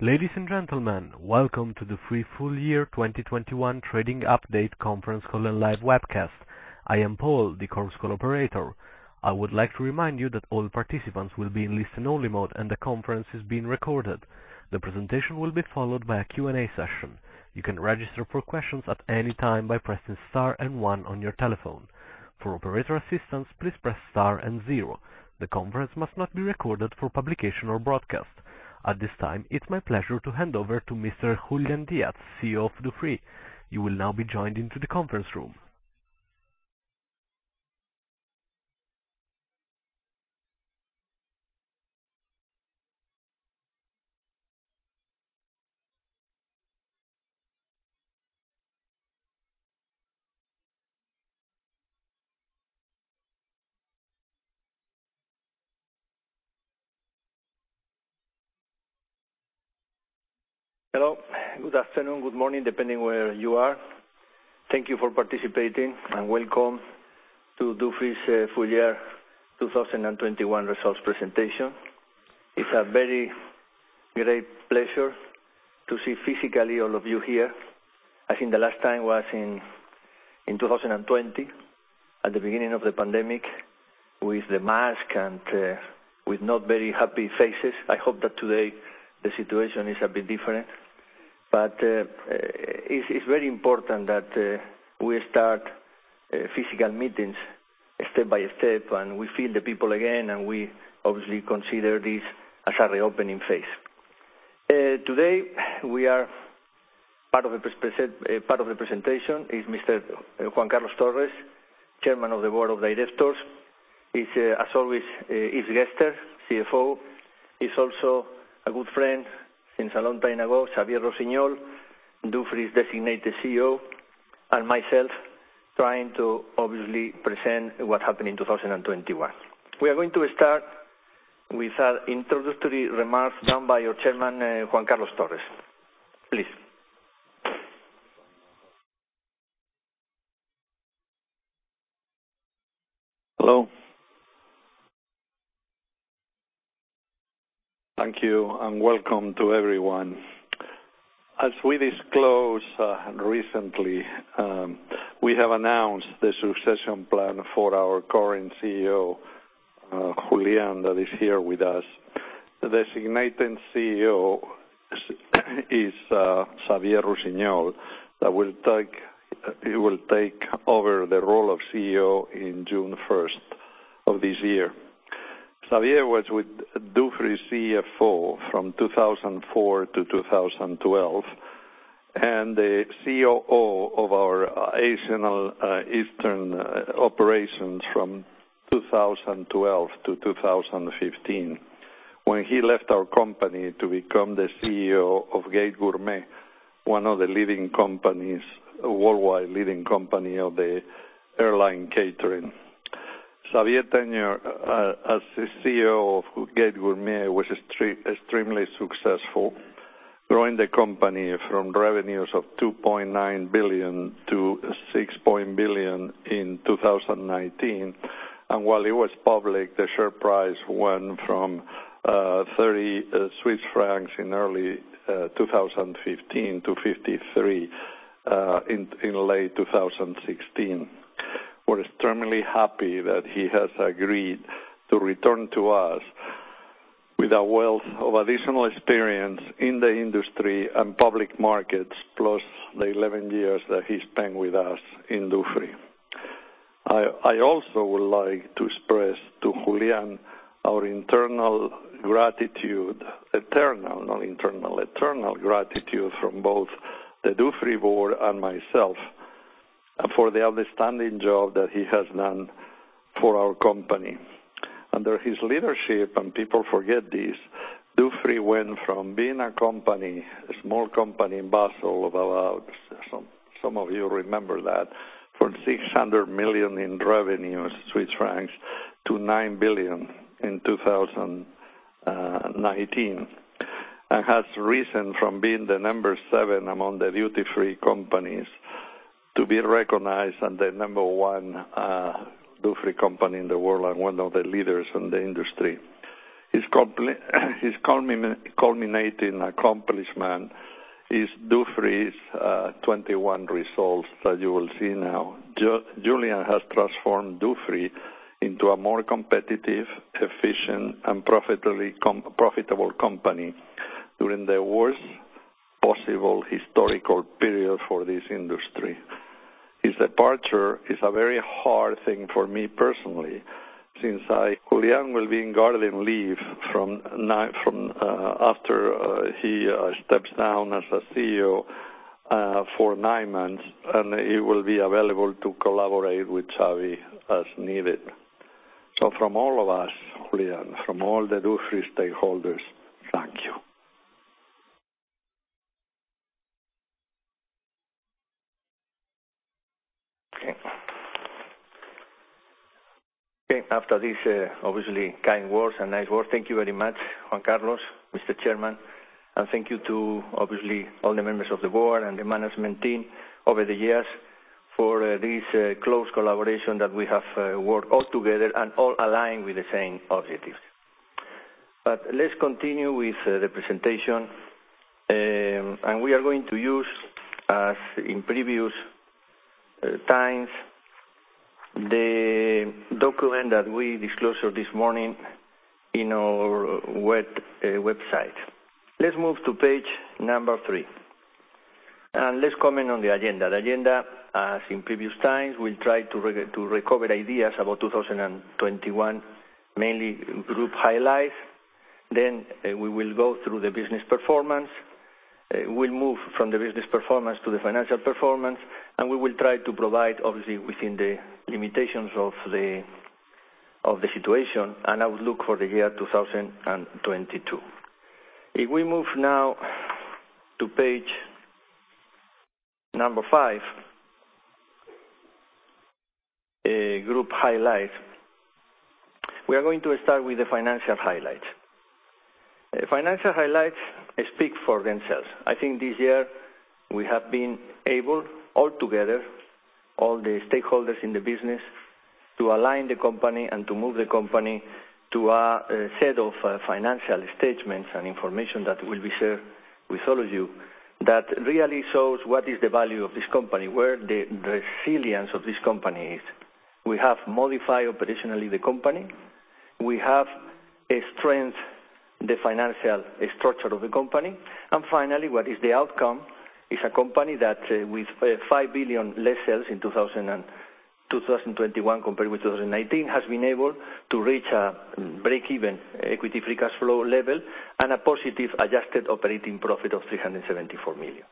Ladies and gentlemen, welcome to the full year 2021 trading update conference call and live webcast. I am Paul, the conference call operator. I would like to remind you that all participants will be in listen-only mode, and the conference is being recorded. The presentation will be followed by a Q&A session. You can register for questions at any time by pressing star and one on your telephone. For operator assistance, please press star and zero. The conference must not be recorded for publication or broadcast. At this time, it's my pleasure to hand over to Mr. Julián Díaz, CEO of Dufry. You will now be joined into the conference room. Hello. Good afternoon, good morning, depending where you are. Thank you for participating, and welcome to Dufry's full year 2021 results presentation. It's a very great pleasure to see physically all of you here. I think the last time was in 2020, at the beginning of the pandemic with the mask and with not very happy faces. I hope that today the situation is a bit different. It's very important that we start physical meetings step by step, and we feel the people again, and we obviously consider this as a reopening phase. Today, part of the presentation is Mr. Juan Carlos Torres, Chairman of the Board of Directors. It's, as always, Yves Gerster, CFO. It's also a good friend since a long time ago, Xavier Rossinyol, Dufry's Designated CEO, and myself, trying to obviously present what happened in 2021. We are going to start with an introductory remarks done by your Chairman, Juan Carlos Torres. Please. Hello. Thank you and welcome to everyone. As we disclosed recently, we have announced the succession plan for our current CEO, Julián Díaz, that is here with us. The designated CEO is Xavier Rossinyol, that will take, he will take over the role of CEO in June first of this year. Xavier was with Dufry CFO from 2004 to 2012, and the COO of our Asian Eastern operations from 2012 to 2015, when he left our company to become the CEO of Gate Gourmet, one of the leading companies, worldwide leading company of the airline catering. Xavier's tenure as the CEO of Gate Gourmet was extremely successful, growing the company from revenues of 2.9 billion to 6 billion in 2019. While it was public, the share price went from 30 Swiss francs in early 2015 to 53 in late 2016. We're extremely happy that he has agreed to return to us with a wealth of additional experience in the industry and public markets plus the 11 years that he spent with us in Dufry. I also would like to express to Julián our internal gratitude, eternal, not internal, eternal gratitude from both the Dufry board and myself for the outstanding job that he has done for our company. Under his leadership, people forget this. Dufry went from being a company, a small company in Basel of about, some of you remember that, from 600 million in revenues to 9 billion Swiss francs in 2019, and has risen from being the number seven among the duty-free companies to be recognized as the number one Dufry company in the world and one of the leaders in the industry. His culminating accomplishment is Dufry's 2021 results that you will see now. Julian has transformed Dufry into a more competitive, efficient and profitable company during the worst possible historical period for this industry. His departure is a very hard thing for me personally, since I Julián will be in garden leave from after he steps down as a CEO for nine months, and he will be available to collaborate with Xavi as needed. From all of us, Julián, from all the Dufry stakeholders, thank you. Okay. After this, obviously kind words and nice words, thank you very much, Juan Carlos, Mr. Chairman, and thank you to obviously all the members of the board and the management team over the years for this close collaboration that we have worked all together and all aligned with the same objectives. Let's continue with the presentation. We are going to use, as in previous times, the document that we disclosed this morning in our website. Let's move to page number three, and let's comment on the agenda. The agenda, as in previous times, we'll try to recover ideas about 2021, mainly group highlights. We will go through the business performance. We'll move from the business performance to the financial performance, and we will try to provide, obviously, within the limitations of the situation, an outlook for the year 2022. If we move now to page number five, group highlights, we are going to start with the financial highlights. Financial highlights speak for themselves. I think this year we have been able, all together, all the stakeholders in the business, to align the company and to move the company to a set of financial statements and information that will be shared with all of you that really shows what is the value of this company, where the resilience of this company is. We have modified operationally the company. We have strengthened the financial structure of the company. Finally, what is the outcome is a company that with 5 billion less sales in 2021 compared with 2019, has been able to reach a break-even equity free cash flow level and a positive adjusted operating profit of 374 million.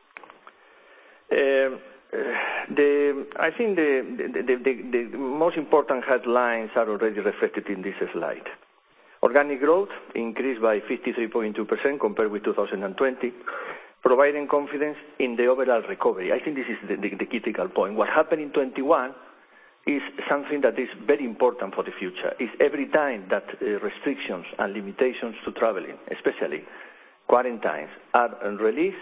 I think the most important headlines are already reflected in this slide. Organic growth increased by 53.2% compared with 2020, providing confidence in the overall recovery. I think this is the critical point. What happened in 2021 is something that is very important for the future. It's every time that restrictions and limitations to traveling, especially quarantines, are released,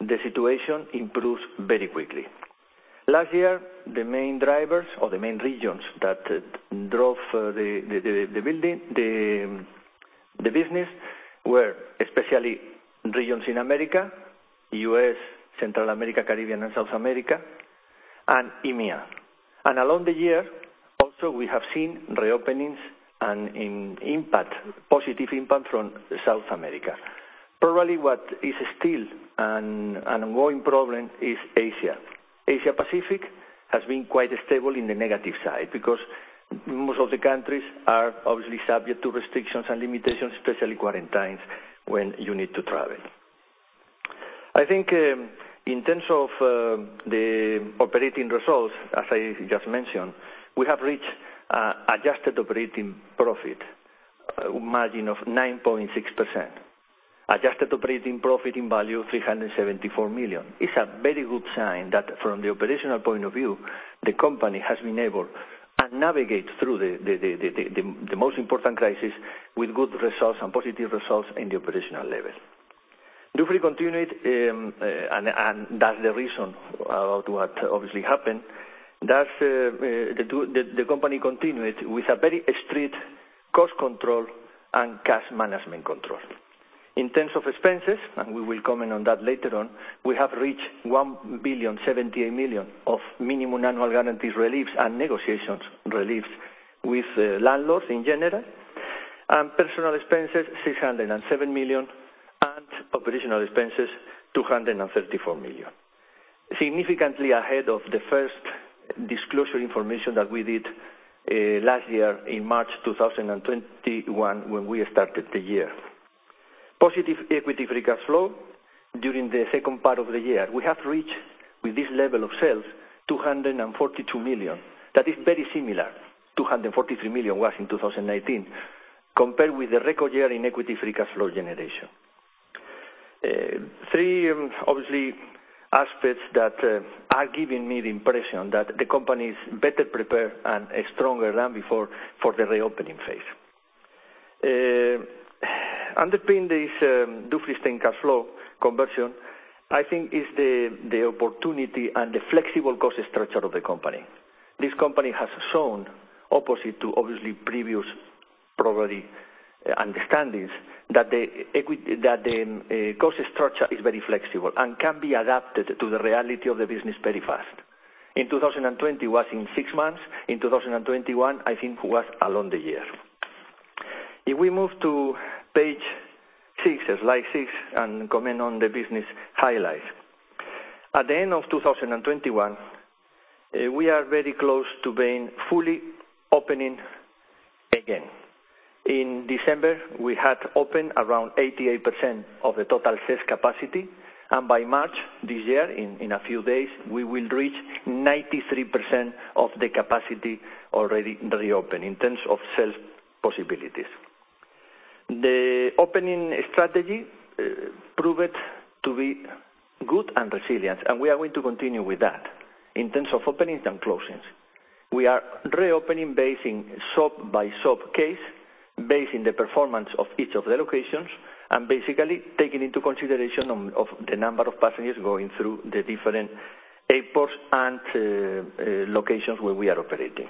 the situation improves very quickly. Last year, the main drivers or the main regions that drove the business were especially regions in America, U.S., Central America, Caribbean, and South America, and EMEA. Along the year, also we have seen reopenings and an impact, positive impact from South America. Probably what is still an ongoing problem is Asia. Asia-Pacific has been quite stable in the negative side because most of the countries are obviously subject to restrictions and limitations, especially quarantines, when you need to travel. I think, in terms of the operating results, as I just mentioned, we have reached adjusted operating profit margin of 9.6%, adjusted operating profit in value 374 million. It's a very good sign that from the operational point of view, the company has been able to navigate through the most important crisis with good results and positive results in the operational level. Dufry continued, and that's the reason of what obviously happened. The company continued with a very strict cost control and cash management control. In terms of expenses, we will comment on that later on, we have reached 1,078 million of Minimum Annual Guarantees reliefs and negotiations reliefs with landlords in general, and personal expenses, 607 million, and operational expenses, 234 million. Significantly ahead of the first disclosure information that we did last year in March 2021 when we started the year. Positive equity free cash flow during the second part of the year. We have reached, with this level of sales, 242 million. That is very similar, 243 million was in 2019, compared with the record year in equity free cash flow generation. Three obvious aspects that are giving me the impression that the company is better prepared and stronger than before for the reopening phase. Underpinning this, Dufry free cash flow conversion, I think is the opportunity and the flexible cost structure of the company. This company has shown, as opposed to previous understandings, that the cost structure is very flexible and can be adapted to the reality of the business very fast. In 2020, it was in six months. In 2021, I think it was along the year. If we move to page six, slide six, and comment on the business highlights. At the end of 2021, we are very close to being fully opening again. In December, we had opened around 88% of the total sales capacity, and by March this year, in a few days, we will reach 93% of the capacity already reopened in terms of sales possibilities. The opening strategy proved to be good and resilient, and we are going to continue with that in terms of openings and closings. We are reopening on a shop-by-shop basis, based on the performance of each of the locations, and basically taking into consideration the number of passengers going through the different airports and locations where we are operating.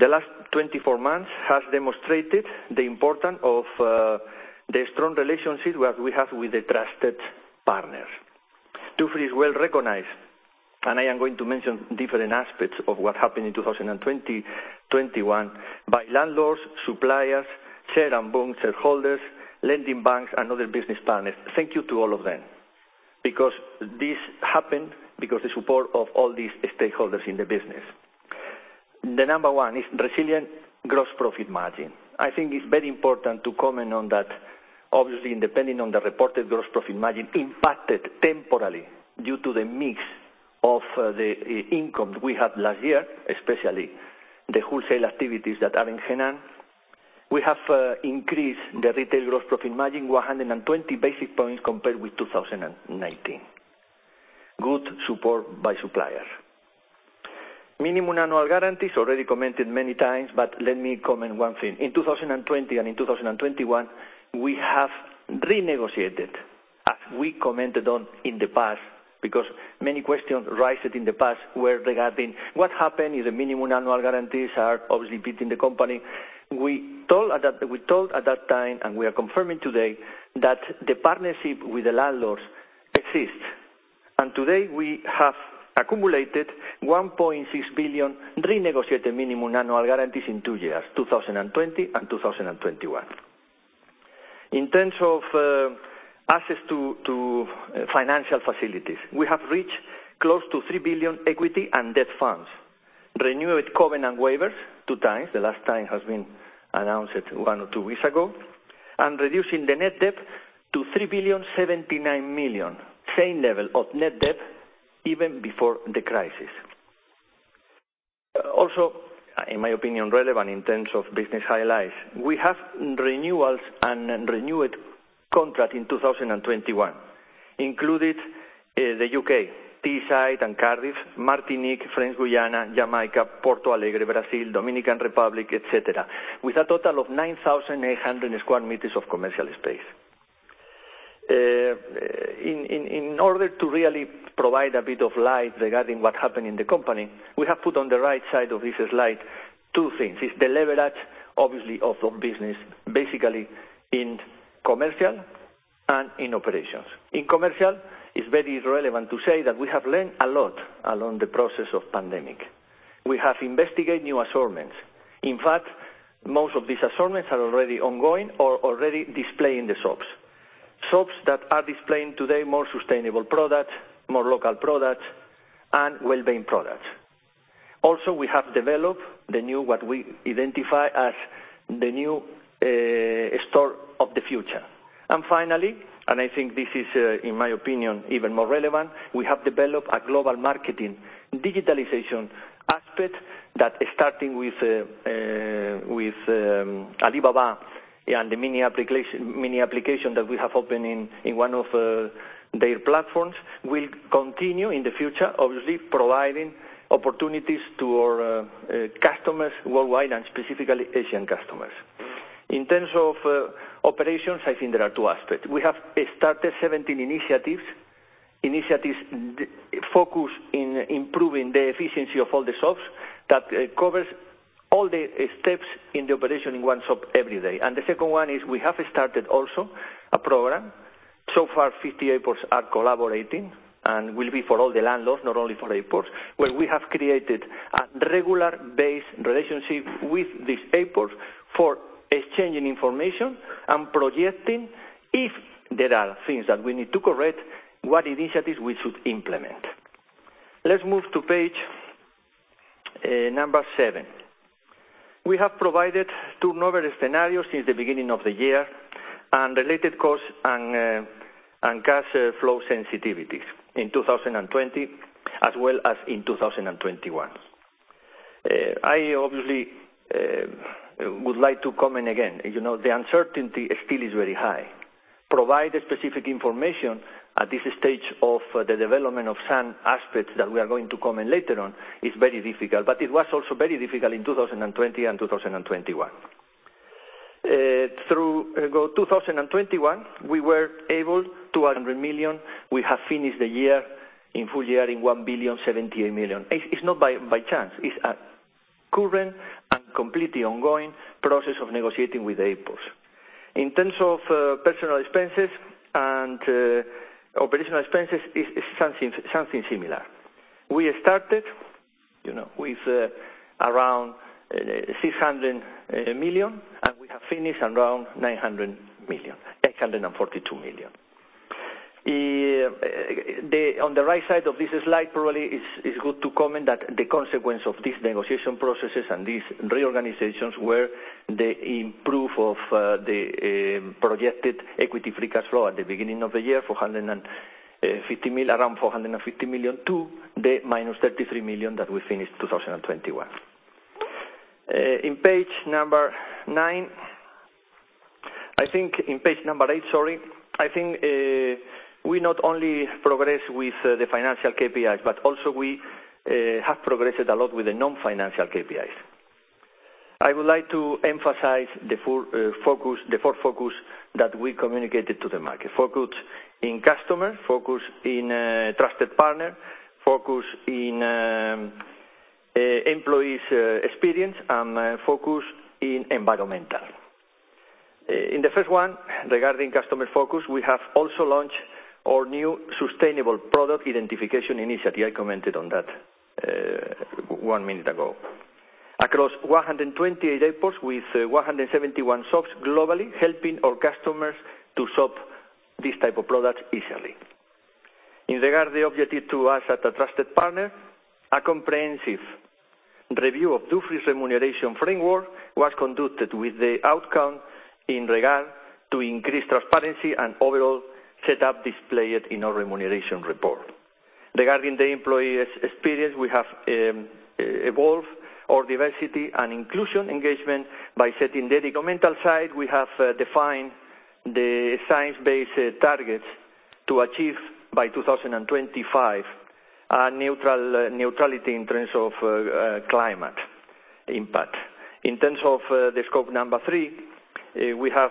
The last 24 months has demonstrated the importance of the strong relationship we have with the trusted partners. Dufry is well-recognized, and I am going to mention different aspects of what happened in 2020, 2021 by landlords, suppliers, share and bond shareholders, lending banks and other business partners. Thank you to all of them because this happened because the support of all these stakeholders in the business. The number one is resilient gross profit margin. I think it's very important to comment on that. Obviously, depending on the reported gross profit margin impacted temporarily due to the mix of the income we had last year, especially the wholesale activities that are in Henan. We have increased the retail gross profit margin 120 basis points compared with 2019. Good support by suppliers. Minimum annual guarantees, already commented many times, but let me comment one thing. In 2020 and in 2021, we have renegotiated, as we commented on in the past, because many questions arose in the past where they have been, what happened? The minimum annual guarantees are obviously beating the company. We told at that time, and we are confirming today that the partnership with the landlords exists. Today, we have accumulated 1.6 billion renegotiated minimum annual guarantees in two years, 2020 and 2021. In terms of access to financial facilities, we have reached close to 3 billion equity and debt funds, renewed covenant waivers 2x. The last time has been announced one or two weeks ago. Reducing the net debt to 3,079 million, same level of net debt even before the crisis. In my opinion, relevant in terms of business highlights, we have renewals and renewed contract in 2021, including the U.K., Teesside and Cardiff, Martinique, French Guiana, Jamaica, Porto Alegre, Brazil, Dominican Republic, etc., with a total of 9,800 sq m of commercial space. In order to really provide a bit of light regarding what happened in the company, we have put on the right side of this slide two things. It's the leverage, obviously, of the business, basically in commercial and in operations. In commercial, it's very relevant to say that we have learned a lot along the process of pandemic. We have investigated new assortments. In fact, most of these assortments are already ongoing or already displayed in the shops. Shops that are displaying today more sustainable products, more local products, and well-being products. Also, we have developed the new, what we identify as the new, store of the future. Finally, and I think this is, in my opinion, even more relevant, we have developed a global marketing digitalization aspect that starting with Alibaba and the mini application that we have open in one of their platforms, will continue in the future, obviously, providing opportunities to our customers worldwide and specifically Asian customers. In terms of operations, I think there are two aspects. We have started 17 initiatives focused in improving the efficiency of all the shops that covers all the steps in the operation in one shop every day. The second one is we have started also a program. So far, 50 airports are collaborating and will be for all the landlords, not only for airports, where we have created a regular basis relationship with these airports for exchanging information and projecting, if there are things that we need to correct, what initiatives we should implement. Let's move to page seven. We have provided two novel scenarios since the beginning of the year and related costs and cash flow sensitivities in 2020 as well as in 2021. I obviously would like to comment again. You know, the uncertainty still is very high. Provide specific information at this stage of the development of some aspects that we are going to comment later on is very difficult. It was also very difficult in 2020 and 2021. Through 2021, we were able to 100 million. We have finished the year in full year in 1.078 billion. It's not by chance. It's a current and completely ongoing process of negotiating with airports. In terms of personal expenses and operational expenses, it's something similar. We started, you know, with around 600 million, and we have finished around 900 million, 842 million. On the right side of this slide, probably is good to comment that the consequence of these negotiation processes and these reorganizations were the improvement of the projected equity free cash flow at the beginning of the year, around 450 million, to the -33 million that we finished 2021. In page number nine. I think in page number eight, sorry. I think we not only progress with the financial KPIs, but also we have progressed a lot with the non-financial KPIs. I would like to emphasize the four focus that we communicated to the market. Focus in customer, focus in trusted partner, focus in employees experience and focus in environmental. In the first one, regarding customer focus, we have also launched our new sustainable product identification initiative. I commented on that one minute ago. Across 128 airports with 171 shops globally, helping our customers to shop this type of products easily. In regard to the objective to us as a trusted partner, a comprehensive review of Dufry's remuneration framework was conducted with the outcome in regard to increased transparency and overall set up displayed in our remuneration report. Regarding the employees' experience, we have evolved our diversity and inclusion engagement by setting the environmental side. We have defined the science-based targets to achieve by 2025 neutrality in terms of climate impact. In terms of the scope number three, we have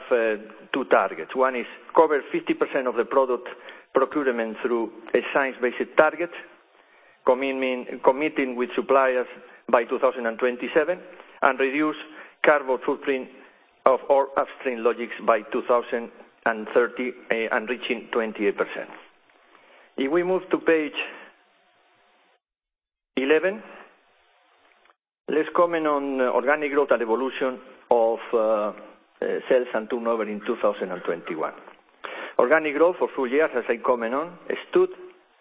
two targets. One is cover 50% of the product procurement through a science-based target, committing with suppliers by 2027, and reduce carbon footprint of our upstream logistics by 2030, and reaching 28%. If we move to page 11, let's comment on organic growth and evolution of sales and turnover in 2021. Organic growth for full year, as I comment on, stood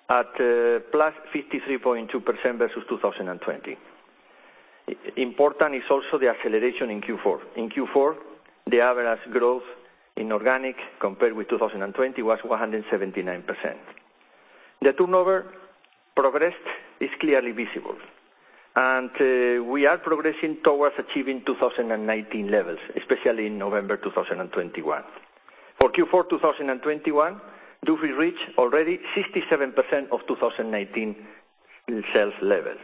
at +53.2% versus 2020. Important is also the acceleration in Q4. In Q4, the average organic growth compared with 2020 was 179%. The turnover progress is clearly visible, and we are progressing towards achieving 2019 levels, especially in November 2021. For Q4 2021, Dufry reached already 67% of 2019 sales level.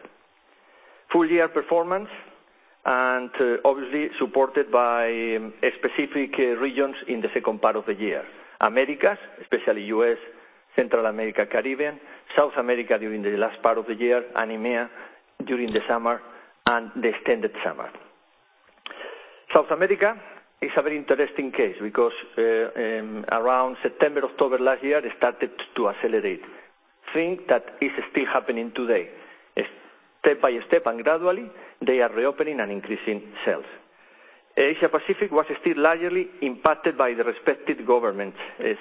Full year performance obviously supported by specific regions in the second part of the year. Americas, especially U.S., Central America, Caribbean, South America during the last part of the year, and EMEA during the summer and the extended summer. South America is a very interesting case because around September, October last year, they started to accelerate. Thing that is still happening today. Step by step and gradually, they are reopening and increasing sales. Asia Pacific was still largely impacted by the respective government's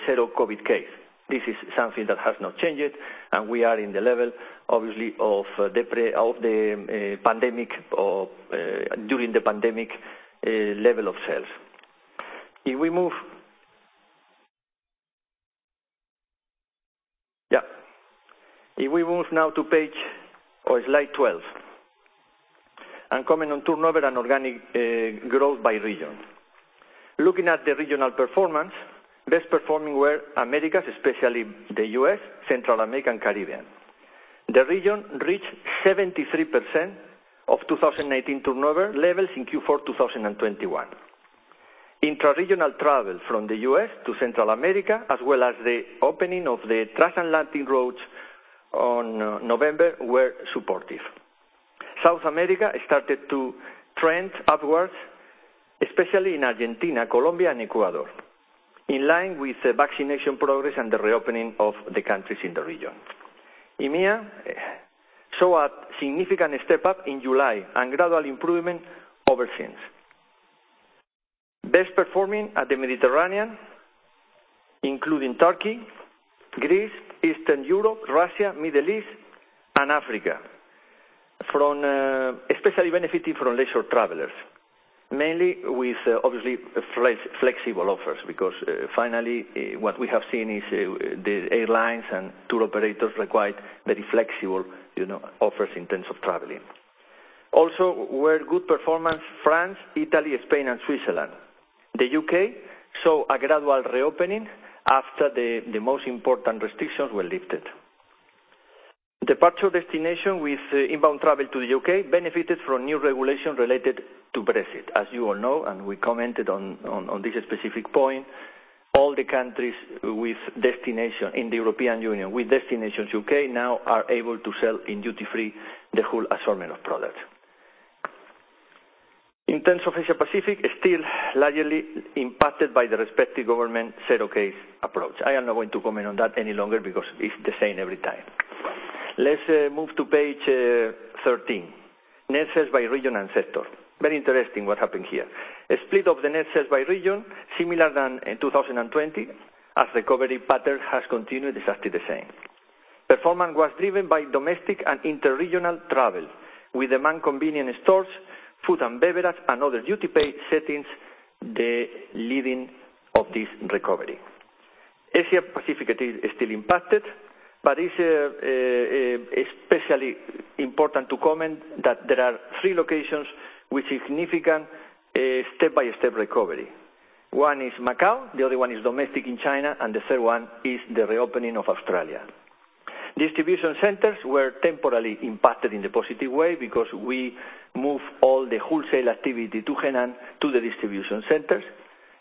zero-COVID case. This is something that has not changed, and we are in the level obviously of the pre-pandemic or during the pandemic level of sales. If we move. Yeah. If we move now to page or slide 12 and comment on turnover and organic growth by region. Looking at the regional performance, best performing were Americas, especially the U.S., Central America, and Caribbean. The region reached 73% of 2019 turnover levels in Q4 2021. Intra-regional travel from the U.S. to Central America, as well as the opening of the transatlantic routes on November were supportive. South America started to trend upwards, especially in Argentina, Colombia, and Ecuador, in line with the vaccination progress and the reopening of the countries in the region. EMEA saw a significant step-up in July and gradual improvement ever since. Best performing at the Mediterranean, including Turkey, Greece, Eastern Europe, Russia, Middle East, and Africa, especially benefiting from leisure travelers, mainly with obviously flexible offers, because finally what we have seen is the airlines and tour operators require very flexible, you know, offers in terms of traveling. Also, we had good performance in France, Italy, Spain, and Switzerland. The U.K. saw a gradual reopening after the most important restrictions were lifted. Departure destinations with inbound travel to the U.K. Benefited from new regulations related to Brexit. As you all know, and we commented on this specific point, all the countries with destinations in the European Union, with destinations U.K. now are able to sell in duty-free the whole assortment of products. In terms of Asia-Pacific, still largely impacted by the respective government zero-COVID approach. I am not going to comment on that any longer because it's the same every time. Let's move to page 13. Net sales by region and sector. Very interesting what happened here. A split of the net sales by region, similar to in 2020, as recovery pattern has continued exactly the same. Performance was driven by domestic and inter-regional travel, with demand concentrated in stores, food and beverage, and other duty paid settings, the leading of this recovery. Asia Pacific is still impacted, but it's especially important to comment that there are three locations with significant step-by-step recovery. One is Macau, the other one is domestic in China, and the third one is the reopening of Australia. Distribution centers were temporarily impacted in the positive way because we moved all the wholesale activity to Henan to the distribution centers.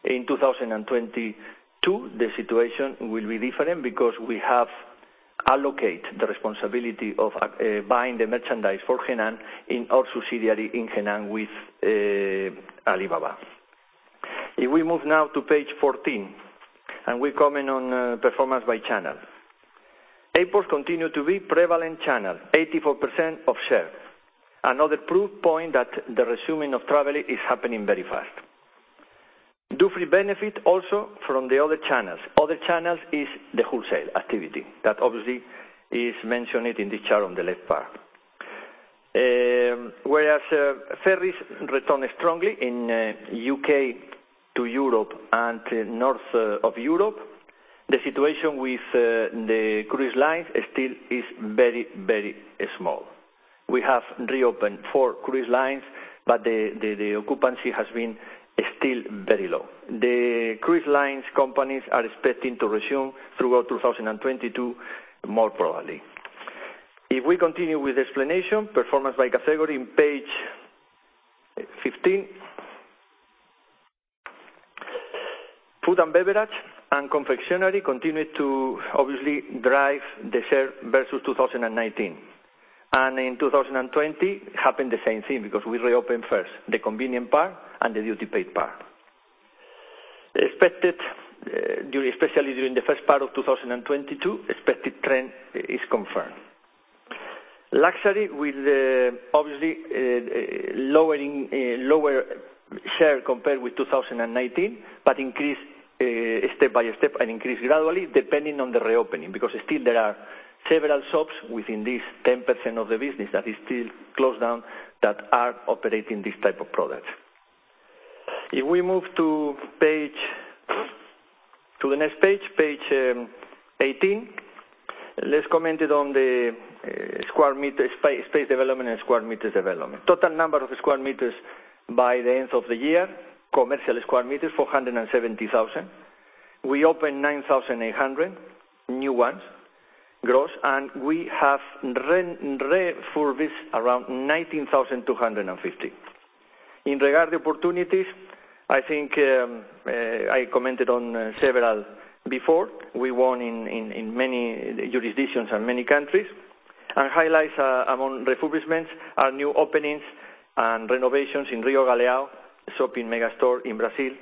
In 2022, the situation will be different because we have allocated the responsibility of buying the merchandise for Henan in our subsidiary in Henan with Alibaba. If we move now to page 14, and we comment on performance by channel. Airports continue to be prevalent channel, 84% of share. Another proof point that the resuming of travel is happening very fast. Duty free benefit also from the other channels. Other channels is the wholesale activity, that obviously is mentioned in this chart on the left part. Whereas ferries returned strongly in U.K. to Europe and to north of Europe, the situation with the cruise lines still is very, very small. We have reopened four cruise lines, but the occupancy has been still very low. The cruise lines companies are expecting to resume throughout 2022 more probably. If we continue with explanation, performance by category in page 15. Food and beverage and confectionery continued to obviously drive the share versus 2019. In 2020, happened the same thing because we reopened first the convenience part and the duty paid part. Expected during, especially during the first part of 2022, expected trend is confirmed. Luxury will obviously lower share compared with 2019, but increase step by step and increase gradually depending on the reopening. Because still there are several shops within this 10% of the business that is still closed down that are operating this type of products. If we move to the next page 18, let's comment on the square meter space development and square meters development. Total number of square meters by the end of the year, commercial square meters, 470,000 sq m. We opened 9,800 new ones gross, and we have refurbished around 19,250 sq m. In regard to opportunities, I think I commented on several before. We won in many jurisdictions and many countries. Highlights among refurbishments are new openings and renovations in Rio Galeão, shopping mega store in Brazil,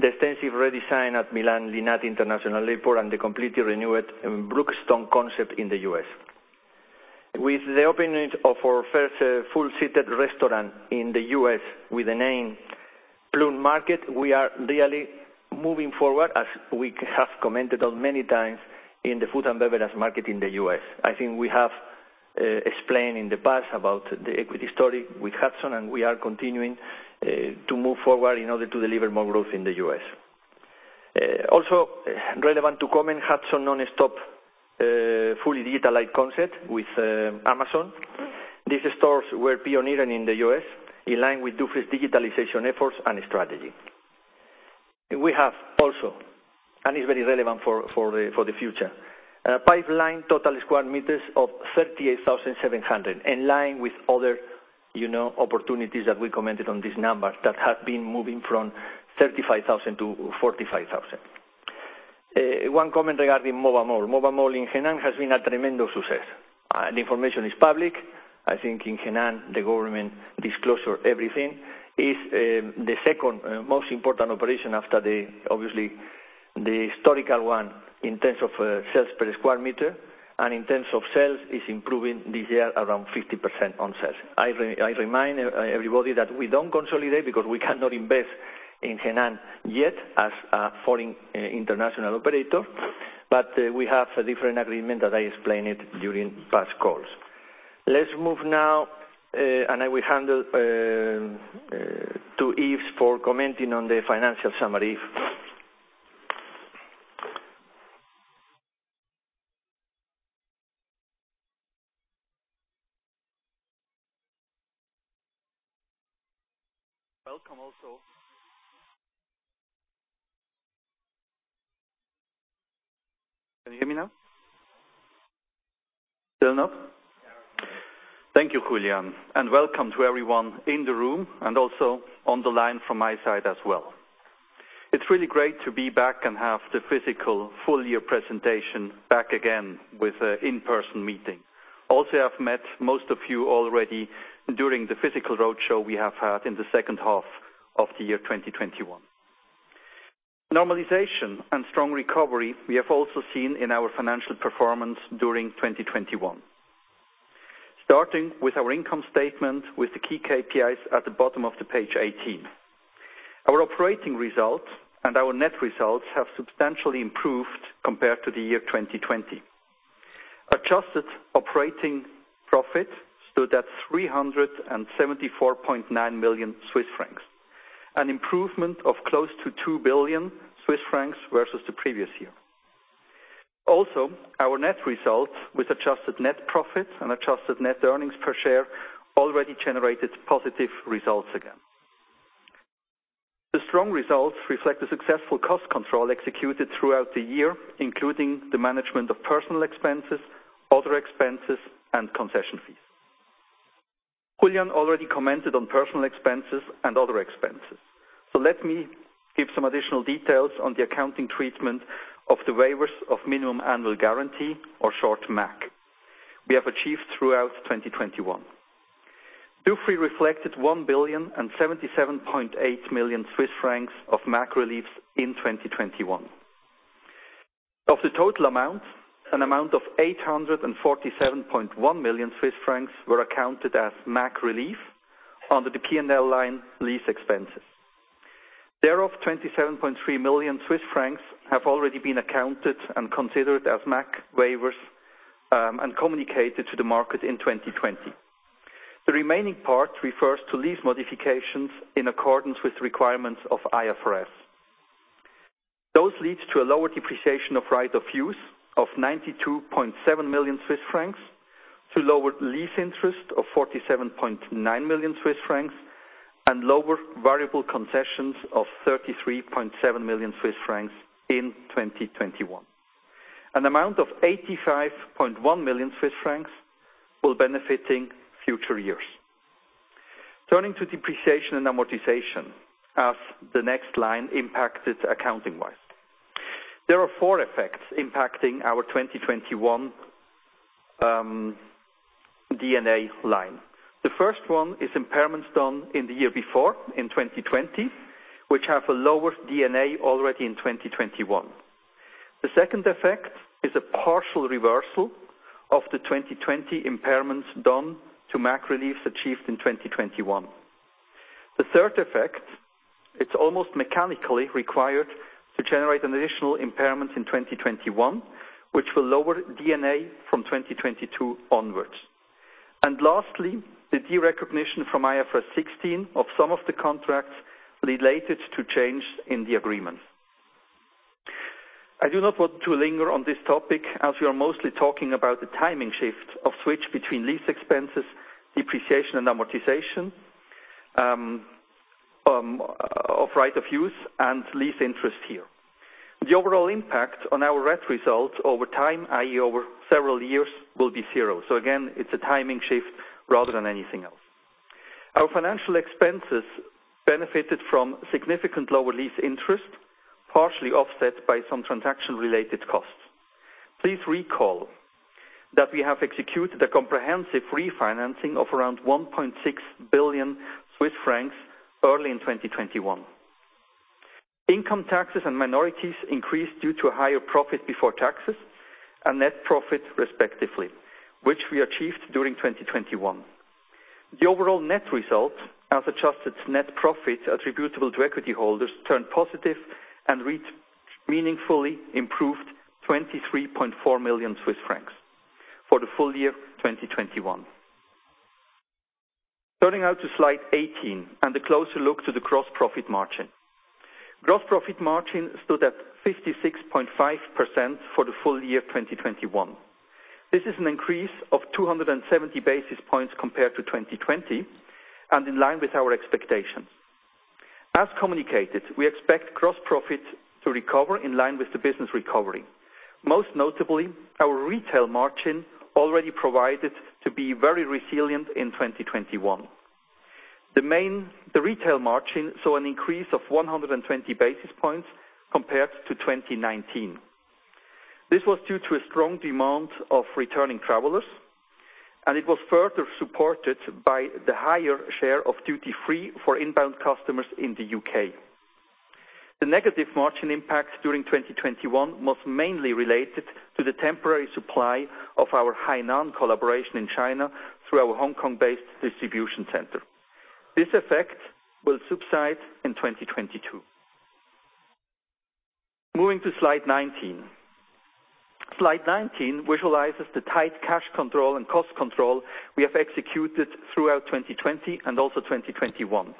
the extensive redesign at Milan Linate International Airport, and the completely renewed Brookstone concept in the U.S. With the opening of our first full-seated restaurant in the U.S. with the name Plum Market, we are really moving forward, as we have commented on many times, in the food and beverage market in the U.S. I think we have explained in the past about the equity story with Hudson, and we are continuing to move forward in order to deliver more growth in the U.S. Also relevant to comment, Hudson Nonstop, fully digitalized concept with Amazon. These stores were pioneered in the U.S. in line with Dufry's digitalization efforts and strategy. We have also, and it's very relevant for the future, a pipeline total of 38,700 sq m, in line with other, you know, opportunities that we commented on these numbers that have been moving from 35,000-45,000. One comment regarding Mova Mall. Mova Mall in Henan has been a tremendous success. The information is public. I think in Henan, the government discloses everything. It's the second most important operation after, obviously, the historical one in terms of sales per square meter. In terms of sales, it's improving this year around 50% on sales. I remind everybody that we don't consolidate because we cannot invest in Henan yet as a foreign international operator, but we have a different agreement that I explained it during past calls. Let's move now, and I will hand to Yves for commenting on the financial summary. Welcome also. Can you hear me now? Still no? Yeah. Thank you, Julián, and welcome to everyone in the room and also on the line from my side as well. It's really great to be back and have the physical full-year presentation back again with an in-person meeting. Also, I've met most of you already during the physical roadshow we have had in the second half of the year 2021. Normalization and strong recovery we have also seen in our financial performance during 2021. Starting with our income statement with the key KPIs at the bottom of the page 18. Our operating results and our net results have substantially improved compared to the year 2020. Adjusted operating profit stood at 374.9 million Swiss francs, an improvement of close to 2 billion Swiss francs versus the previous year. Also, our net results with adjusted net profits and adjusted net earnings per share already generated positive results again. The strong results reflect the successful cost control executed throughout the year, including the management of personal expenses, other expenses, and concession fees. Julian already commented on personal expenses and other expenses. Let me give some additional details on the accounting treatment of the waivers of minimum annual guarantee or short, MAG, we have achieved throughout 2021. Dufry reflected 1,077.8 million Swiss francs of MAG reliefs in 2021. Of the total amount, an amount of 847.1 million Swiss francs were accounted as MAG relief under the P&L line lease expenses. Thereof, 27.3 million Swiss francs have already been accounted and considered as MAG waivers, and communicated to the market in 2020. The remaining part refers to lease modifications in accordance with requirements of IFRS. Those lead to a lower depreciation of right of use of 92.7 million Swiss francs to lower lease interest of 47.9 million Swiss francs, and lower variable concessions of 33.7 million Swiss francs in 2021. An amount of 85.1 million Swiss francs will benefit future years. Turning to depreciation and amortization as the next line impacted accounting-wise. There are four effects impacting our 2021 D&A line. The first one is impairments done in the year before, in 2020, which have a lower D&A already in 2021. The second effect is a partial reversal of the 2020 impairments done to MAG reliefs achieved in 2021. The third effect, it's almost mechanically required to generate an additional impairment in 2021, which will lower D&A from 2022 onwards. Lastly, the derecognition from IFRS 16 of some of the contracts related to change in the agreement. I do not want to linger on this topic as we are mostly talking about the timing shift of switch between lease expenses, depreciation and amortization, of right of use and lease interest here. The overall impact on our net results over time, i.e., over several years, will be zero. Again, it's a timing shift rather than anything else. Our financial expenses benefited from significantly lower lease interest, partially offset by some transaction-related costs. Please recall that we have executed a comprehensive refinancing of around 1.6 billion Swiss francs early in 2021. Income taxes and minorities increased due to a higher profit before taxes and net profit, respectively, which we achieved during 2021. The overall net results as adjusted net profit attributable to equity holders turned positive and meaningfully improved 23.4 million Swiss francs for the full year of 2021. Turning now to slide 18 and a closer look to the gross profit margin. Gross profit margin stood at 56.5% for the full year of 2021. This is an increase of 270 basis points compared to 2020 and in line with our expectations. As communicated, we expect gross profit to recover in line with the business recovery. Most notably, our retail margin already proved to be very resilient in 2021. The retail margin saw an increase of 120 basis points compared to 2019. This was due to a strong demand of returning travelers, and it was further supported by the higher share of duty-free for inbound customers in the U.K. The negative margin impact during 2021 was mainly related to the temporary supply of our Hainan collaboration in China through our Hong Kong-based distribution center. This effect will subside in 2022. Moving to slide 19. Slide 19 visualizes the tight cash control and cost control we have executed throughout 2020 and also 2021.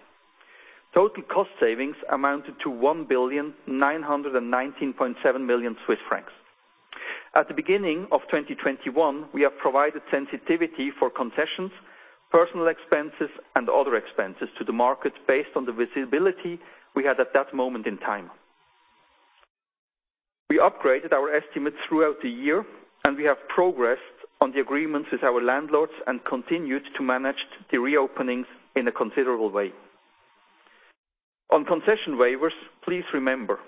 Total cost savings amounted to 1,919.7 million Swiss francs. At the beginning of 2021, we have provided sensitivity for concessions, personal expenses, and other expenses to the market based on the visibility we had at that moment in time. We upgraded our estimates throughout the year, and we have progressed on the agreements with our landlords and continued to manage the reopenings in a considerable way. On concession waivers, please remember,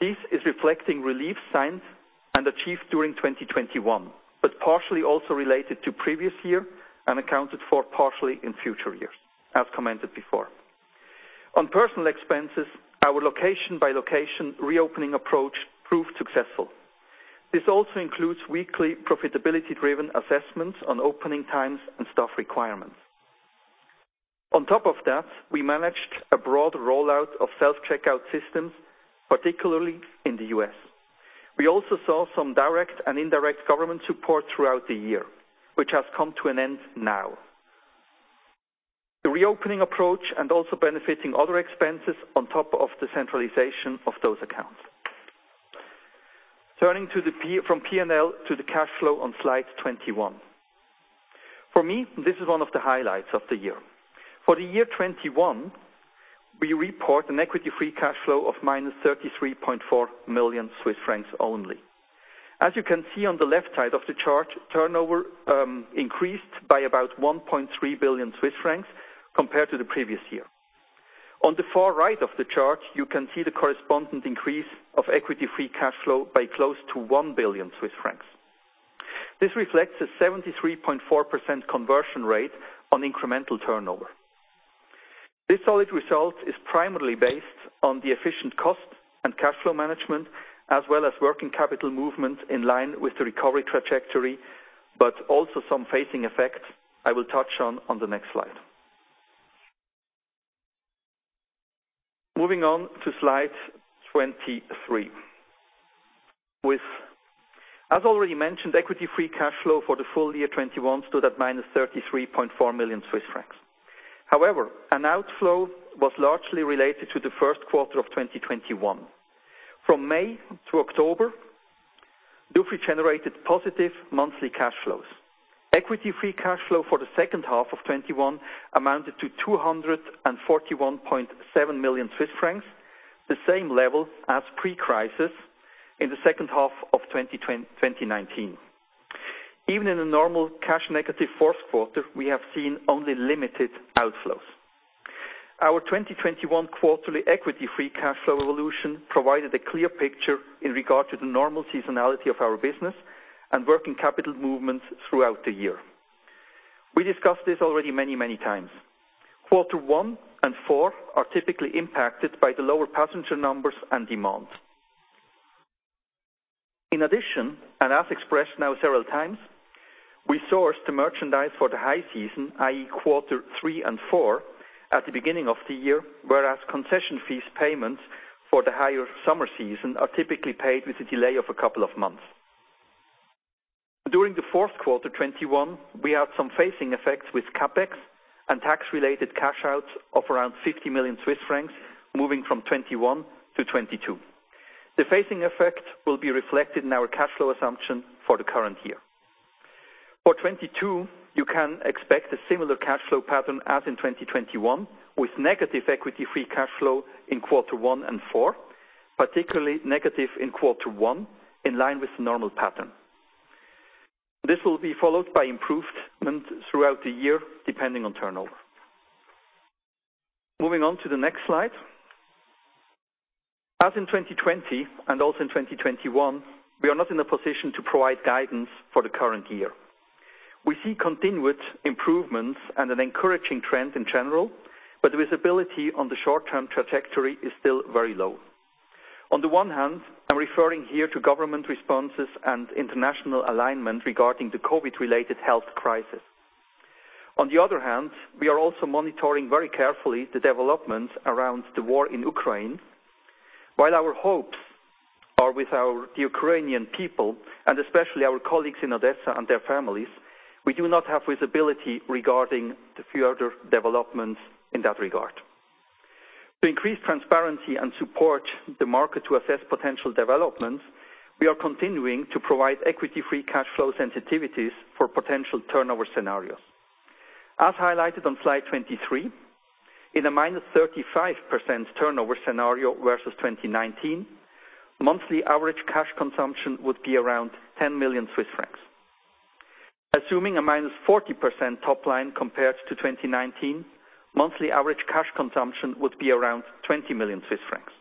this is reflecting relief signed and achieved during 2021, but partially also related to previous year and accounted for partially in future years, as commented before. On personnel expenses, our location-by-location reopening approach proved successful. This also includes weekly profitability-driven assessments on opening times and staff requirements. On top of that, we managed a broad rollout of self-checkout systems, particularly in the U.S. We also saw some direct and indirect government support throughout the year, which has come to an end now. The reopening approach and also benefiting other expenses on top of the centralization of those accounts. Turning from P&L to the cash flow on slide 21. For me, this is one of the highlights of the year. For the year 2021, we report an equity-free cash flow of -33.4 million Swiss francs only. As you can see on the left side of the chart, turnover increased by about 1.3 billion Swiss francs compared to the previous year. On the far right of the chart, you can see the corresponding increase of equity-free cash flow by close to 1 billion Swiss francs. This reflects a 73.4% conversion rate on incremental turnover. This solid result is primarily based on the efficient cost and cash flow management, as well as working capital movement in line with the recovery trajectory, but also some phasing effects I will touch on the next slide. Moving on to slide 23. As already mentioned, equity-free cash flow for the full year 2021 stood at -33.4 million Swiss francs. However, an outflow was largely related to the first quarter of 2021. From May to October, Dufry generated positive monthly cash flows. Equity-free cash flow for the second half of 2021 amounted to 241.7 million Swiss francs, the same level as pre-crisis in the second half of 2019. Even in a normal cash negative fourth quarter, we have seen only limited outflows. Our 2021 quarterly equity-free cash flow evolution provided a clear picture in regard to the normal seasonality of our business and working capital movements throughout the year. We discussed this already many, many times. Quarter one and four are typically impacted by the lower passenger numbers and demands. In addition, and as expressed now several times, we source the merchandise for the high season, i.e. quarter three and four at the beginning of the year, whereas concession fees payments for the higher summer season are typically paid with a delay of a couple of months. During the fourth quarter 2021, we had some phasing effects with CapEx and tax related cash outs of around 50 million Swiss francs moving from 2021-2022. The phasing effect will be reflected in our cash flow assumption for the current year. For 2022, you can expect a similar cash flow pattern as in 2021, with negative equity-free cash flow in quarter one and four, particularly negative in quarter one, in line with the normal pattern. This will be followed by improvement throughout the year, depending on turnover. Moving on to the next slide. As in 2020 and also in 2021, we are not in a position to provide guidance for the current year. We see continued improvements and an encouraging trend in general, but the visibility on the short-term trajectory is still very low. On the one hand, I'm referring here to government responses and international alignment regarding the COVID related health crisis. On the other hand, we are also monitoring very carefully the developments around the war in Ukraine. While our hopes are with our the Ukrainian people and especially our colleagues in Odessa and their families, we do not have visibility regarding the further developments in that regard. To increase transparency and support the market to assess potential developments, we are continuing to provide equity-free cash flow sensitivities for potential turnover scenarios. As highlighted on slide 23, in a -35% turnover scenario versus 2019, monthly average cash consumption would be around 10 million Swiss francs. Assuming a -40% top line compared to 2019, monthly average cash consumption would be around 20 million Swiss francs.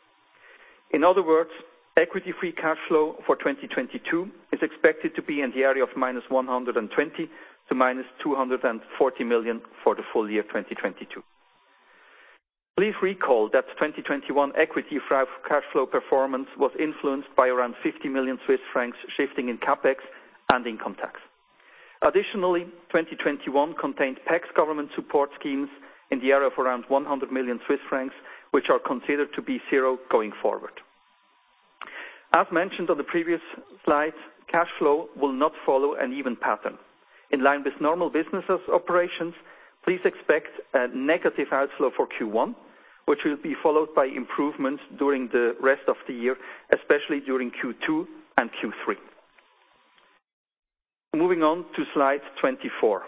In other words, equity-free cash flow for 2022 is expected to be in the area of -120 million to -240 million for the full year 2022. Please recall that 2021 equity free cash flow performance was influenced by around 50 million Swiss francs shifting in CapEx and income tax. Additionally, 2021 contained tax government support schemes in the area of around 100 million Swiss francs, which are considered to be zero going forward. As mentioned on the previous slide, cash flow will not follow an even pattern. In line with normal business operations, please expect a negative outflow for Q1, which will be followed by improvements during the rest of the year, especially during Q2 and Q3. Moving on to slide 24.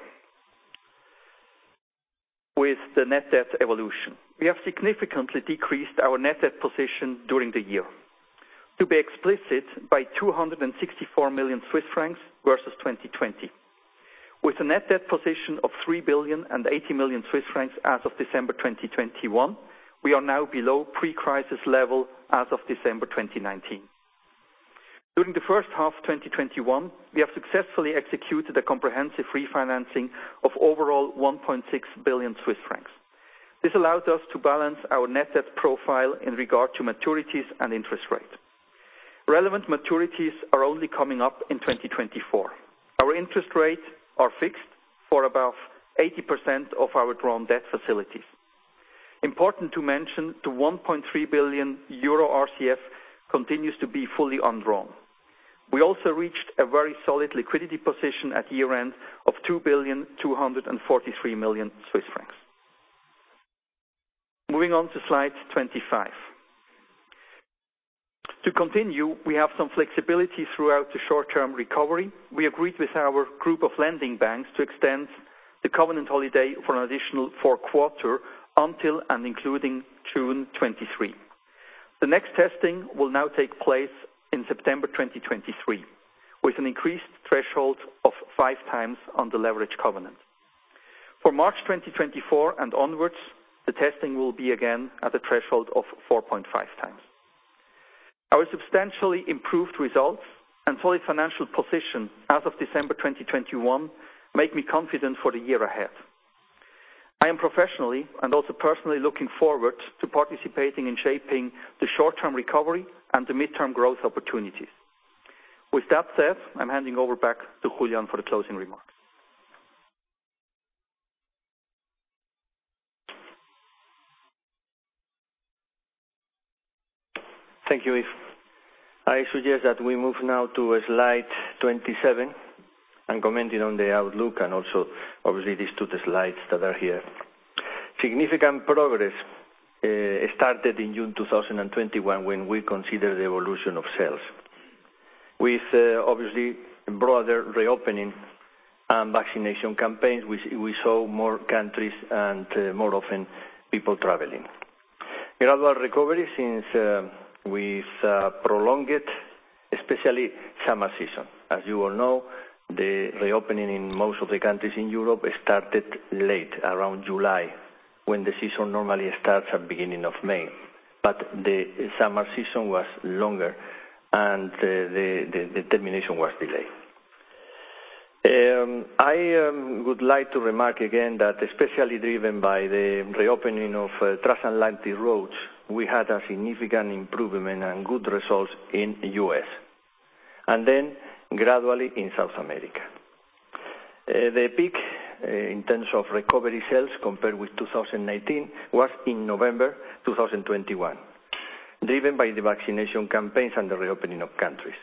With the net debt evolution, we have significantly decreased our net debt position during the year. To be explicit, by 264 million Swiss francs versus 2020. With a net debt position of 3.08 billion as of December 2021, we are now below pre-crisis level as of December 2019. During the first half 2021, we have successfully executed a comprehensive refinancing of overall 1.6 billion Swiss francs. This allows us to balance our net debt profile in regard to maturities and interest rates. Relevant maturities are only coming up in 2024. Our interest rates are fixed for above 80% of our drawn debt facilities. Important to mention, the 1.3 billion euro RCF continues to be fully undrawn. We also reached a very solid liquidity position at year-end of 2,243 million Swiss francs. Moving on to slide 25. To continue, we have some flexibility throughout the short-term recovery. We agreed with our group of lending banks to extend the covenant holiday for an additional four quarters until and including June 2023. The next testing will now take place in September 2023, with an increased threshold of 5x on the leverage covenant. For March 2024 and onwards, the testing will be again at a threshold of 4.5x. Our substantially improved results and solid financial position as of December 2021 make me confident for the year ahead. I am professionally and also personally looking forward to participating in shaping the short-term recovery and the midterm growth opportunities. With that said, I'm handing over back to Julián for the closing remarks. Thank you, Yves. I suggest that we move now to slide 27 and commenting on the outlook and also obviously these two slides that are here. Significant progress started in June 2021 when we consider the evolution of sales. With obviously broader reopening and vaccination campaigns, we saw more countries and more often people traveling. Gradual recovery since with prolonged, especially summer season. As you all know, the reopening in most of the countries in Europe started late around July, when the season normally starts at beginning of May. The summer season was longer and the termination was delayed. I would like to remark again that especially driven by the reopening of transatlantic routes, we had a significant improvement and good results in U.S., and then gradually in South America. The peak in terms of recovery sales compared with 2019 was in November 2021, driven by the vaccination campaigns and the reopening of countries.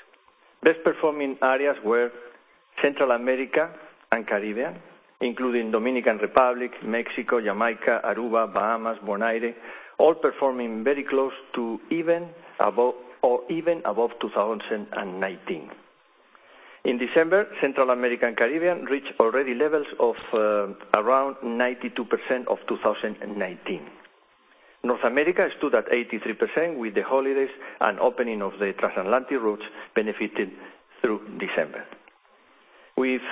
Best performing areas were Central America and Caribbean, including Dominican Republic, Mexico, Jamaica, Aruba, Bahamas, Bonaire, all performing very close to even above 2019. In December, Central America and Caribbean reached already levels of around 92% of 2019. North America stood at 83% with the holidays and opening of the transatlantic routes benefited through December. With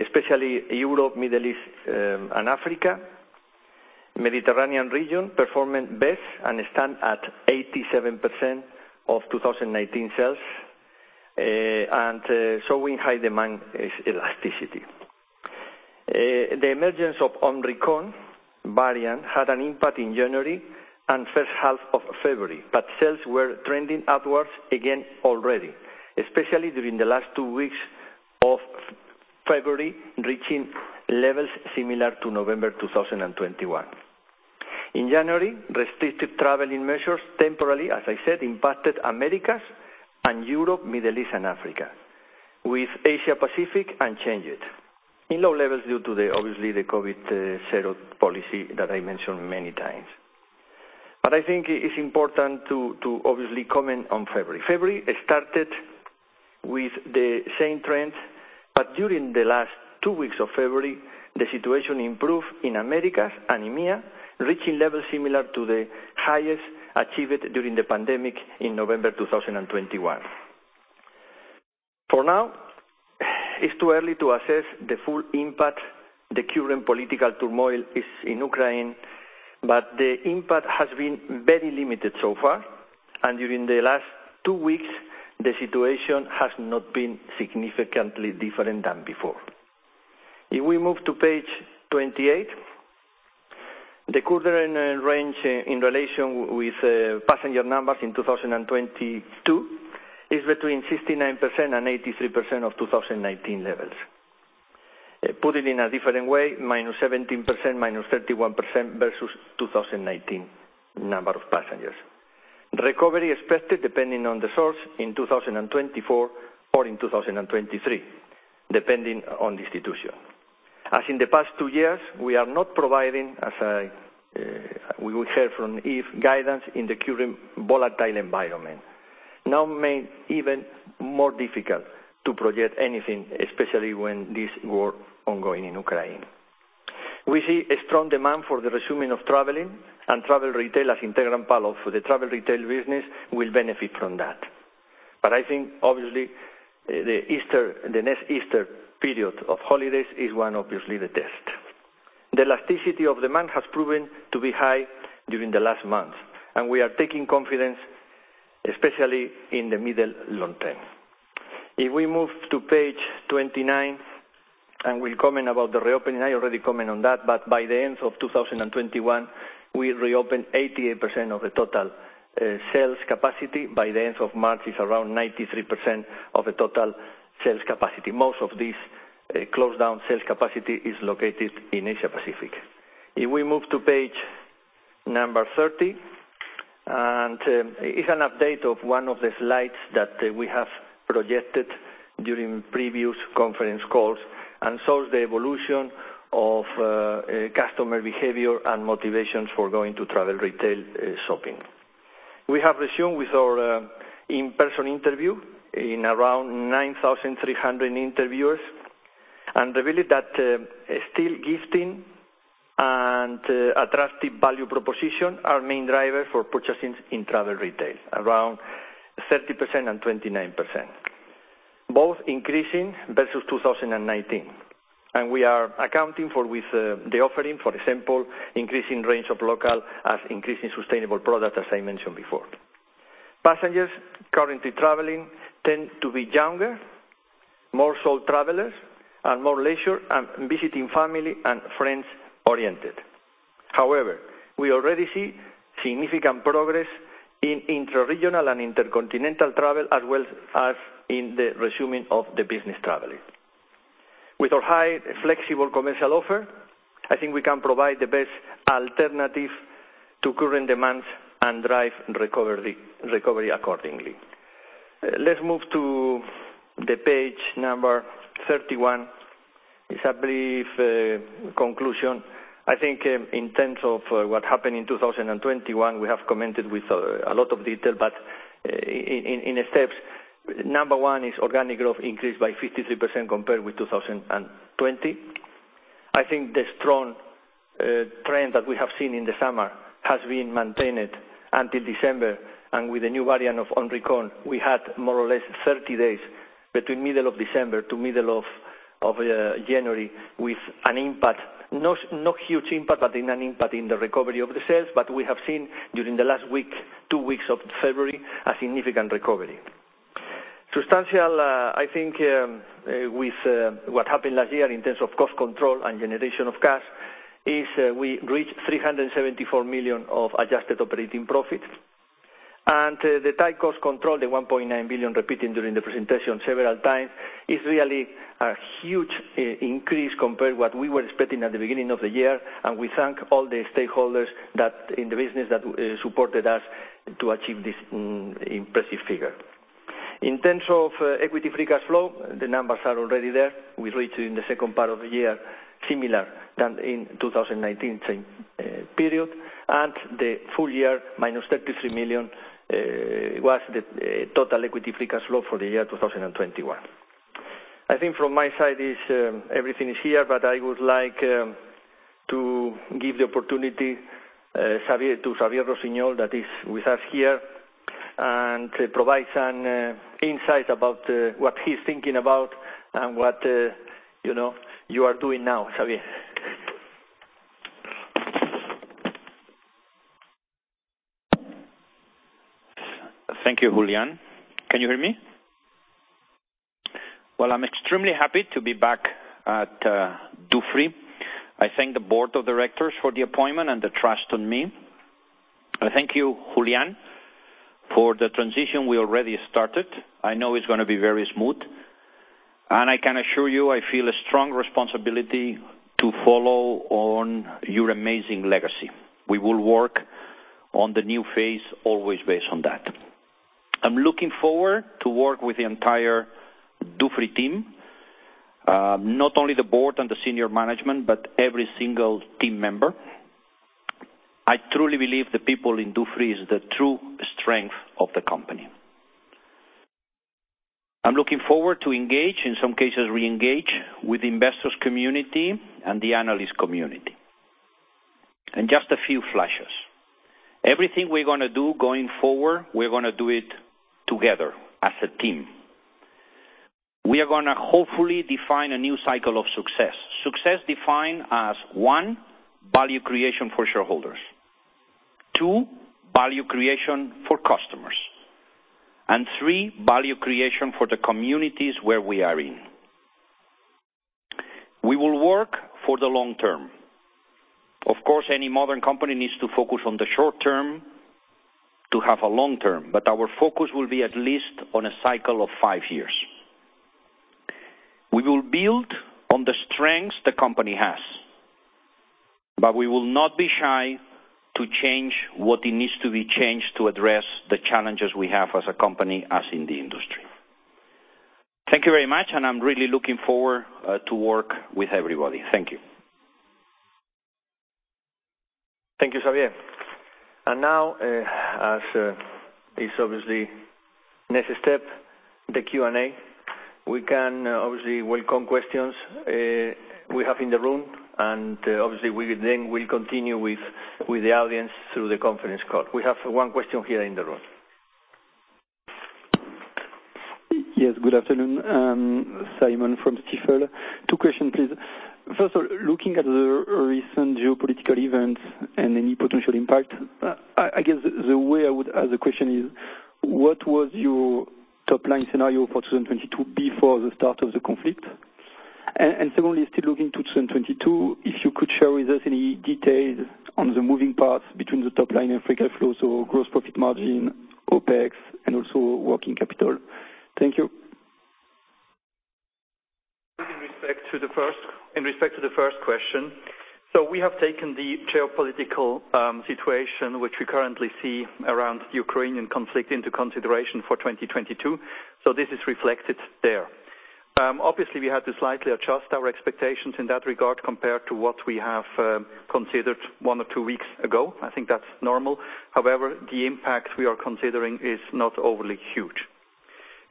especially Europe, Middle East and Africa, Mediterranean region performing best and stand at 87% of 2019 sales and showing high demand elasticity. The emergence of Omicron variant had an impact in January and first half of February, but sales were trending upwards again already, especially during the last two weeks of February, reaching levels similar to November 2021. In January, restricted traveling measures temporarily, as I said, impacted Americas and Europe, Middle East, and Africa, with Asia Pacific unchanged in low levels due to obviously the COVID zero policy that I mentioned many times. I think it's important to obviously comment on February. February started with the same trends, but during the last two weeks of February, the situation improved in Americas and EMEA, reaching levels similar to the highest achieved during the pandemic in November 2021. For now, it's too early to assess the full impact the current political turmoil is in Ukraine, but the impact has been very limited so far. During the last two weeks, the situation has not been significantly different than before. If we move to page 28, the current range in relation with passenger numbers in 2022 is between 69% and 83% of 2019 levels. Put it in a different way, -17%, -31% versus 2019 number of passengers. Recovery expected, depending on the source, in 2024 or in 2023, depending on the institution. As in the past two years, we are not providing, as we will hear from Yves, guidance in the current volatile environment. Now made even more difficult to project anything, especially when this war ongoing in Ukraine. We see a strong demand for the resuming of traveling and travel retail as integral part for the travel retail business will benefit from that. I think obviously, the Easter, the next Easter period of holidays is one, obviously the test. The elasticity of demand has proven to be high during the last months, and we are taking confidence, especially in the middle long term. If we move to page 29, and we comment about the reopening, I already comment on that, but by the end of 2021, we reopened 88% of the total sales capacity. By the end of March, it's around 93% of the total sales capacity. Most of these closed down sales capacity is located in Asia-Pacific. If we move to page number 30, it's an update of one of the slides that we have projected during previous conference calls, and shows the evolution of customer behavior and motivations for going to travel retail shopping. We have resumed with our in-person interviews in around 9,300 interviewees, and revealed that still gifting and attractive value proposition are main driver for purchasing in travel retail, around 30% and 29%, both increasing versus 2019. We are accounting for with the offering, for example, increasing range of local as increasing sustainable product, as I mentioned before. Passengers currently traveling tend to be younger, more solo travelers and more leisure and visiting family and friends-oriented. However, we already see significant progress in intra-regional and intercontinental travel, as well as in the resuming of the business traveling. With our high flexible commercial offer, I think we can provide the best alternative to current demands and drive recovery accordingly. Let's move to the page number 31. It's a brief conclusion. I think in terms of what happened in 2021, we have commented with a lot of detail, but in steps, number one is organic growth increased by 53% compared with 2020. I think the strong trend that we have seen in the summer has been maintained until December. With the new variant of Omicron, we had more or less 30 days between middle of December to middle of January with an impact, not a huge impact, but an impact in the recovery of the sales. We have seen during the last two weeks of February a significant recovery. Substantial, I think, with what happened last year in terms of cost control and generation of cash, we reached 374 million of adjusted operating profit. The tight cost control, the 1.9 billion repeated during the presentation several times, is really a huge increase compared with what we were expecting at the beginning of the year, and we thank all the stakeholders in the business that supported us to achieve this impressive figure. In terms of equity free cash flow, the numbers are already there. We reached in the second part of the year, similar to in 2019 same period, and the full year -33 million was the total equity free cash flow for the year 2021. I think from my side everything is here, but I would like to give the opportunity to Xavier Rossinyol that is with us here and provide some insight about what he's thinking about and what you know you are doing now, Xavier. Thank you, Julián. Can you hear me? Well, I'm extremely happy to be back at Dufry. I thank the board of directors for the appointment and the trust on me. Thank you, Julián, for the transition we already started. I know it's gonna be very smooth, and I can assure you, I feel a strong responsibility to follow on your amazing legacy. We will work on the new phase, always based on that. I'm looking forward to work with the entire Dufry team, not only the board and the senior management, but every single team member. I truly believe the people in Dufry is the true strength of the company. I'm looking forward to engage, in some cases re-engage, with investors community and the analyst community. Just a few flashes. Everything we're gonna do going forward, we're gonna do it together as a team. We are gonna hopefully define a new cycle of success. Success defined as, one, value creation for shareholders. Two, value creation for customers. Three, value creation for the communities where we are in. We will work for the long term. Of course, any modern company needs to focus on the short term to have a long term, but our focus will be at least on a cycle of five years. We will build on the strengths the company has, but we will not be shy to change what it needs to be changed to address the challenges we have as a company, as in the industry. Thank you very much, and I'm really looking forward to work with everybody. Thank you. Thank you, Xavier. Now, as is obviously the next step, the Q&A, we can obviously welcome questions we have in the room, and obviously we then will continue with the audience through the conference call. We have one question here in the room. Yes, good afternoon. Simon from Stifel. Two questions, please. First of all, looking at the recent geopolitical events and any potential impact, I guess the way I would ask the question is what was your top-line scenario for 2022 before the start of the conflict? Secondly, still looking at 2022, if you could share with us any details on the moving parts between the top line and free cash flows or gross profit margin, OPEX, and also working capital. Thank you. In respect to the first question. We have taken the geopolitical situation which we currently see around the Ukrainian conflict into consideration for 2022, so this is reflected there. Obviously we had to slightly adjust our expectations in that regard compared to what we have considered one or two weeks ago. I think that's normal. However, the impact we are considering is not overly huge.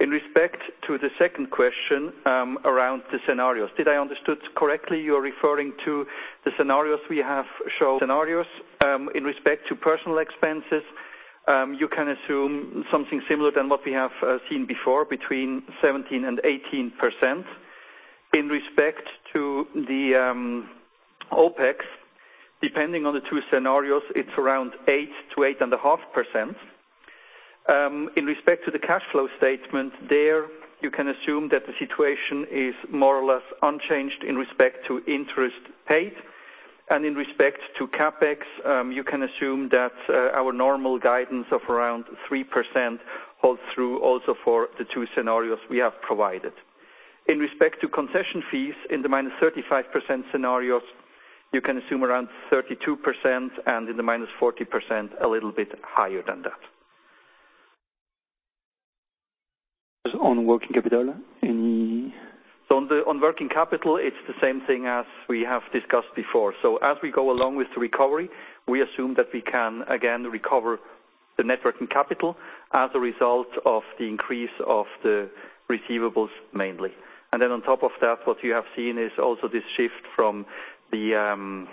In respect to the second question, around the scenarios. Did I understood correctly, you're referring to the scenarios we have shown? In respect to personnel expenses, you can assume something similar than what we have seen before, between 17% and 18%. In respect to the OpEx, depending on the two scenarios, it's around 8%-8.5%. In respect to the cash flow statement, you can assume that the situation is more or less unchanged in respect to interest paid. In respect to CapEx, you can assume that our normal guidance of around 3% holds through also for the two scenarios we have provided. In respect to concession fees, in the -35% scenarios, you can assume around 32%, and in the -40%, a little bit higher than that. On working capital, any. On working capital, it's the same thing as we have discussed before. As we go along with the recovery, we assume that we can again recover the net working capital as a result of the increase of the receivables mainly. On top of that, what you have seen is also this shift from the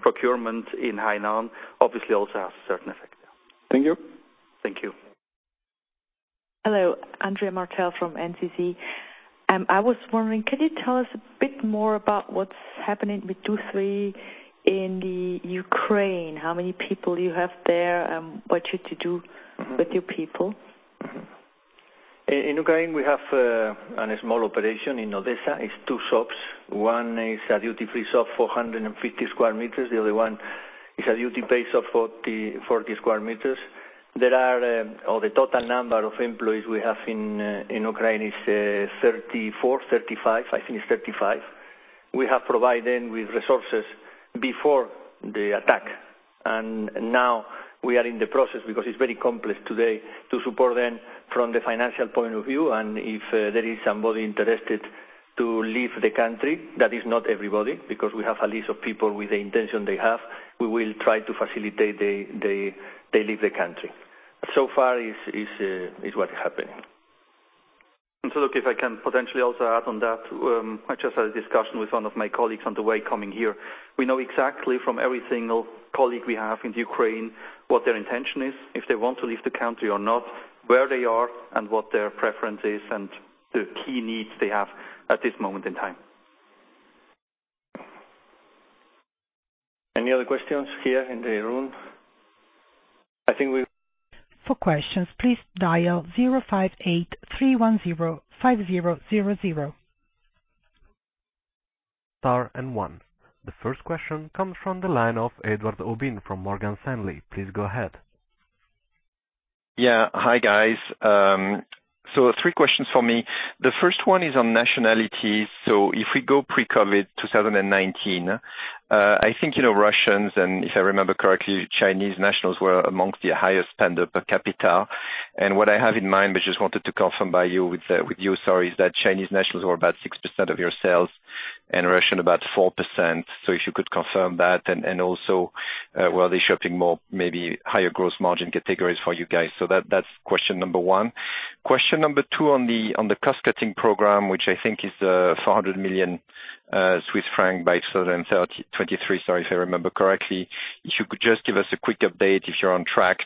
procurement in Hainan obviously also has a certain effect. Thank you. Thank you. Hello. Andrea Martel from NZZ. I was wondering, can you tell us a bit more about what's happening with Dufry in the Ukraine? How many people you have there, what you to do with your people? In Ukraine, we have a small operation in Odesa. It's two shops. One is a duty-free shop, 450 sq m, the other one is a duty-based shop of 40 sq m. The total number of employees we have in Ukraine is 34, 35. I think it's 35. We have provided with resources before the attack. Now we are in the process, because it's very complex today, to support them from the financial point of view, and if there is somebody interested to leave the country, that is not everybody, because we have a list of people with the intention they have, we will try to facilitate they leave the country. So far, that's what's happening. Look, if I can potentially also add on that. I just had a discussion with one of my colleagues on the way coming here. We know exactly from every single colleague we have in Ukraine what their intention is, if they want to leave the country or not, where they are, and what their preference is, and the key needs they have at this moment in time. Any other questions here in the room? I think For questions, please dial 058-310-5000. The first question comes from the line of Edouard Aubin from Morgan Stanley. Please go ahead. Hi, guys. Three questions for me. The first one is on nationality. If we go pre-COVID, 2019, I think, you know, Russians and, if I remember correctly, Chinese nationals were amongst the highest spender per capita. What I have in mind, but just wanted to confirm with you, sorry, is that Chinese nationals were about 6% of your sales and Russian about 4%. If you could confirm that. Also, were they shopping more maybe higher gross margin categories for you guys? That's question number one. Question number two on the cost-cutting program, which I think is 400 million Swiss franc by 2023, if I remember correctly. If you could just give us a quick update if you're on track.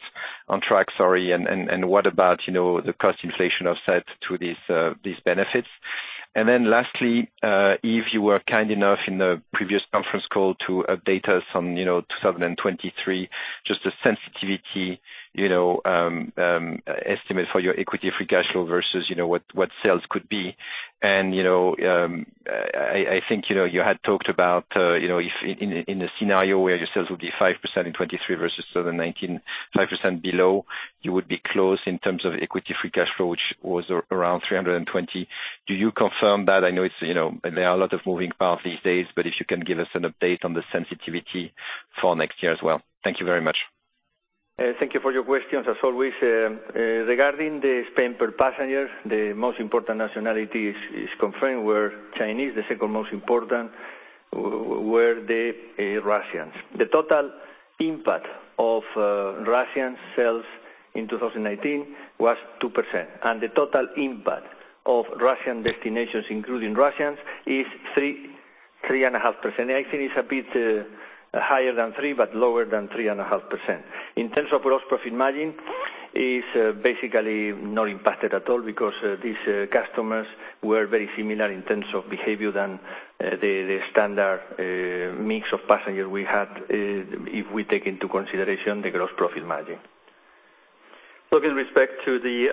What about the cost inflation offset to these benefits. Lastly, if you were kind enough in the previous conference call to update us on 2023, just the sensitivity estimate for your equity free cash flow versus what sales could be. I think you had talked about if in a scenario where your sales would be 5% in 2023 versus 2019, 5% below, you would be close in terms of equity free cash flow, which was around 320 million. Do you confirm that. I know it's, you know, there are a lot of moving parts these days, but if you can give us an update on the sensitivity for next year as well. Thank you very much. Thank you for your questions, as always. Regarding the spend per passenger, the most important nationality is confirmed were Chinese, the second most important were the Russians. The total impact of Russian sales in 2019 was 2%, and the total impact of Russian destinations, including Russians, is 3%-3.5%. I think it's a bit higher than 3%, but lower than 3.5%. In terms of gross profit margin, basically not impacted at all because these customers were very similar in terms of behavior to the standard mix of passenger we had, if we take into consideration the gross profit margin. Look, in respect to the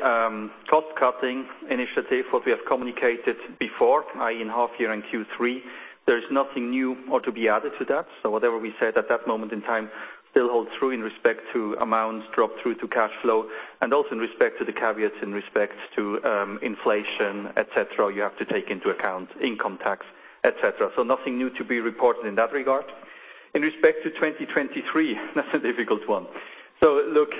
cost-cutting initiative what we have communicated before, i.e., in half year end Q3, there's nothing new or to be added to that. Whatever we said at that moment in time still holds true in respect to amounts dropped through to cash flow, and also in respect to the caveats in respect to inflation, etc. You have to take into account income tax, etc. Nothing new to be reported in that regard. In respect to 2023, that's a difficult one. Look,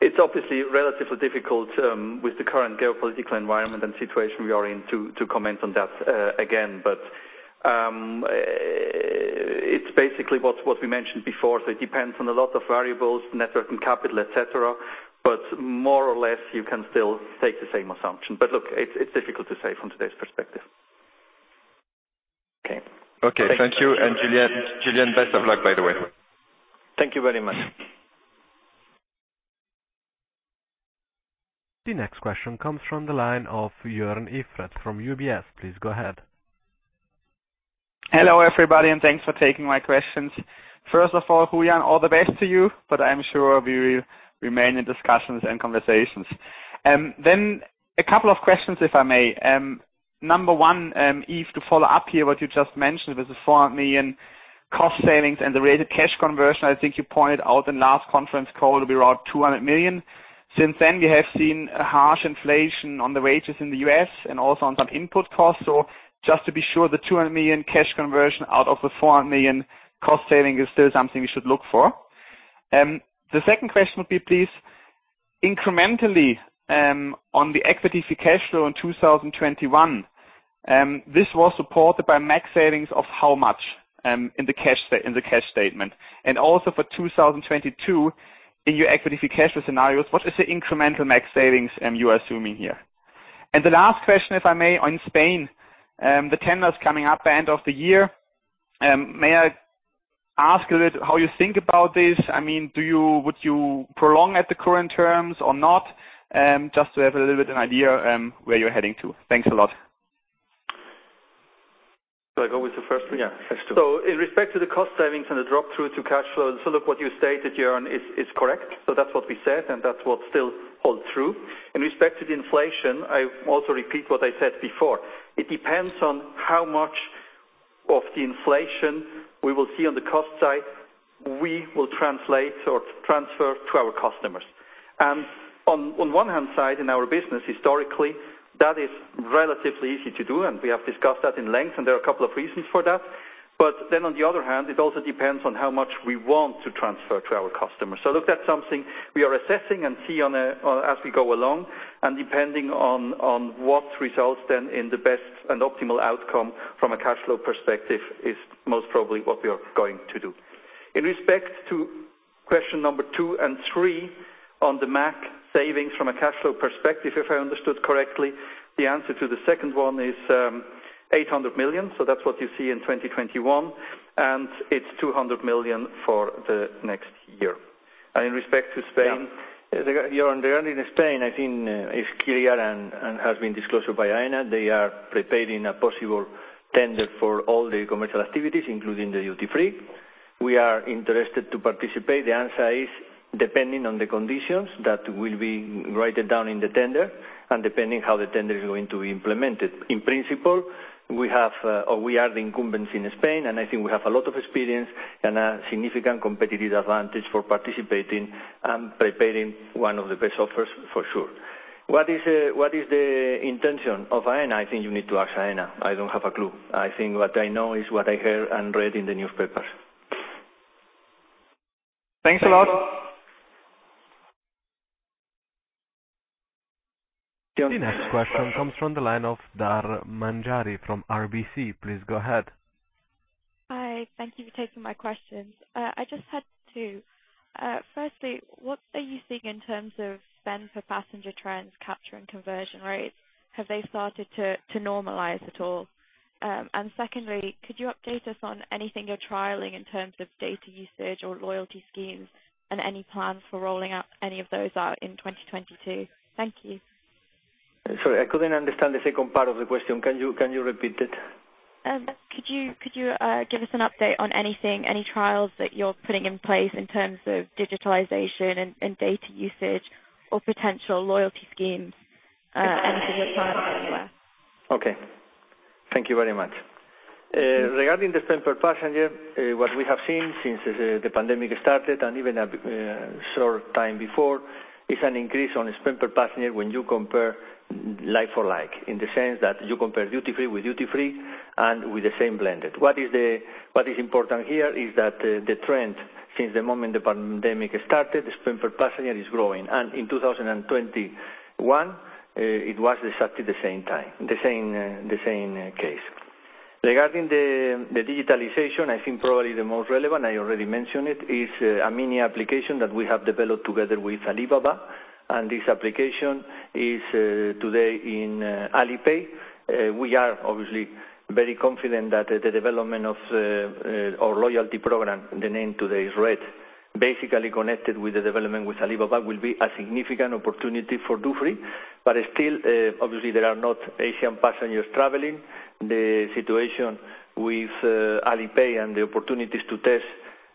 it's obviously relatively difficult with the current geopolitical environment and situation we are in to comment on that again, but it's basically what we mentioned before. It depends on a lot of variables, net working capital, etc., but more or less, you can still take the same assumption. Look, it's difficult to say from today's perspective. Okay. Okay. Thank you. Julian, best of luck, by the way. Thank you very much. The next question comes from the line of Joern Iffert from UBS. Please go ahead. Hello, everybody, and thanks for taking my questions. First of all, Julián, all the best to you, but I'm sure we will remain in discussions and conversations. Yves, to follow up here what you just mentioned, with the 400 million cost savings and the rate of cash conversion, I think you pointed out in last conference call it'll be around 200 million. Since then, we have seen a harsh inflation on the wages in the U.S. and also on some input costs. Just to be sure, the 200 million cash conversion out of the 400 million cost saving is still something we should look for. The second question would be, please, incrementally, on the equity free cash flow in 2021, this was supported by MAG savings of how much, in the cash statement? And also for 2022, in your equity free cash flow scenarios, what is the incremental MAG savings you are assuming here? And the last question, if I may, on Spain, the tender is coming up at end of the year. May I ask a bit how you think about this? I mean, do you, would you prolong at the current terms or not? Just to have a little bit an idea, where you're heading to. Thanks a lot. Shall I go with the first one? Yeah. In respect to the cost savings and the drop through to cash flow, so, look, what you stated, Joern, is correct. That's what we said, and that's what still holds true. In respect to the inflation, I also repeat what I said before. It depends on how much of the inflation we will see on the cost side we will translate or transfer to our customers. On one hand side, in our business historically, that is relatively easy to do, and we have discussed that at length, and there are a couple of reasons for that. On the other hand, it also depends on how much we want to transfer to our customers. Look, that's something we are assessing and seeing as we go along, and depending on what results in the best and optimal outcome from a cash flow perspective is most probably what we are going to do. In respect to question number two and three on the MAG savings from a cash flow perspective, if I understood correctly, the answer to the second one is 800 million, so that's what you see in 2021, and it's 200 million for the next year. In respect to Spain. Yeah. Joern, the earnings in Spain, I think, is clear and has been disclosed by Aena. They are preparing a possible tender for all the commercial activities, including the duty-free. We are interested to participate. The answer is depending on the conditions that will be written down in the tender and depending how the tender is going to be implemented. In principle, we have, or we are the incumbents in Spain, and I think we have a lot of experience and a significant competitive advantage for participating and preparing one of the best offers for sure. What is the intention of Aena? I think you need to ask Aena. I don't have a clue. I think what I know is what I heard and read in the newspapers. Thanks a lot. The next question comes from the line of Dhar Manjari from RBC. Please go ahead. Hi. Thank you for taking my questions. I just had two. Firstly, what are you seeing in terms of spend per passenger trends, capture, and conversion rates? Have they started to normalize at all? And secondly, could you update us on anything you're trialing in terms of data usage or loyalty schemes and any plans for rolling out any of those out in 2022? Thank you. Sorry, I couldn't understand the second part of the question. Can you repeat it? Could you give us an update on anything, any trials that you're putting in place in terms of digitalization and data usage or potential loyalty schemes, anything you're planning anywhere? Okay. Thank you very much. Regarding the spend per passenger, what we have seen since the pandemic started and even a short time before, is an increase on spend per passenger when you compare like for like, in the sense that you compare duty-free with duty-free and with the same blended. What is important here is that the trend since the moment the pandemic started, spend per passenger is growing. In 2021, it was exactly the same time, the same case. Regarding the digitalization, I think probably the most relevant, I already mentioned it, is a mini application that we have developed together with Alibaba. This application is today in Alipay. We are obviously very confident that the development of our loyalty program, the name today is Red, basically connected with the development with Alibaba will be a significant opportunity for Dufry. But still, obviously, there are not Asian passengers traveling. The situation with Alipay and the opportunities to test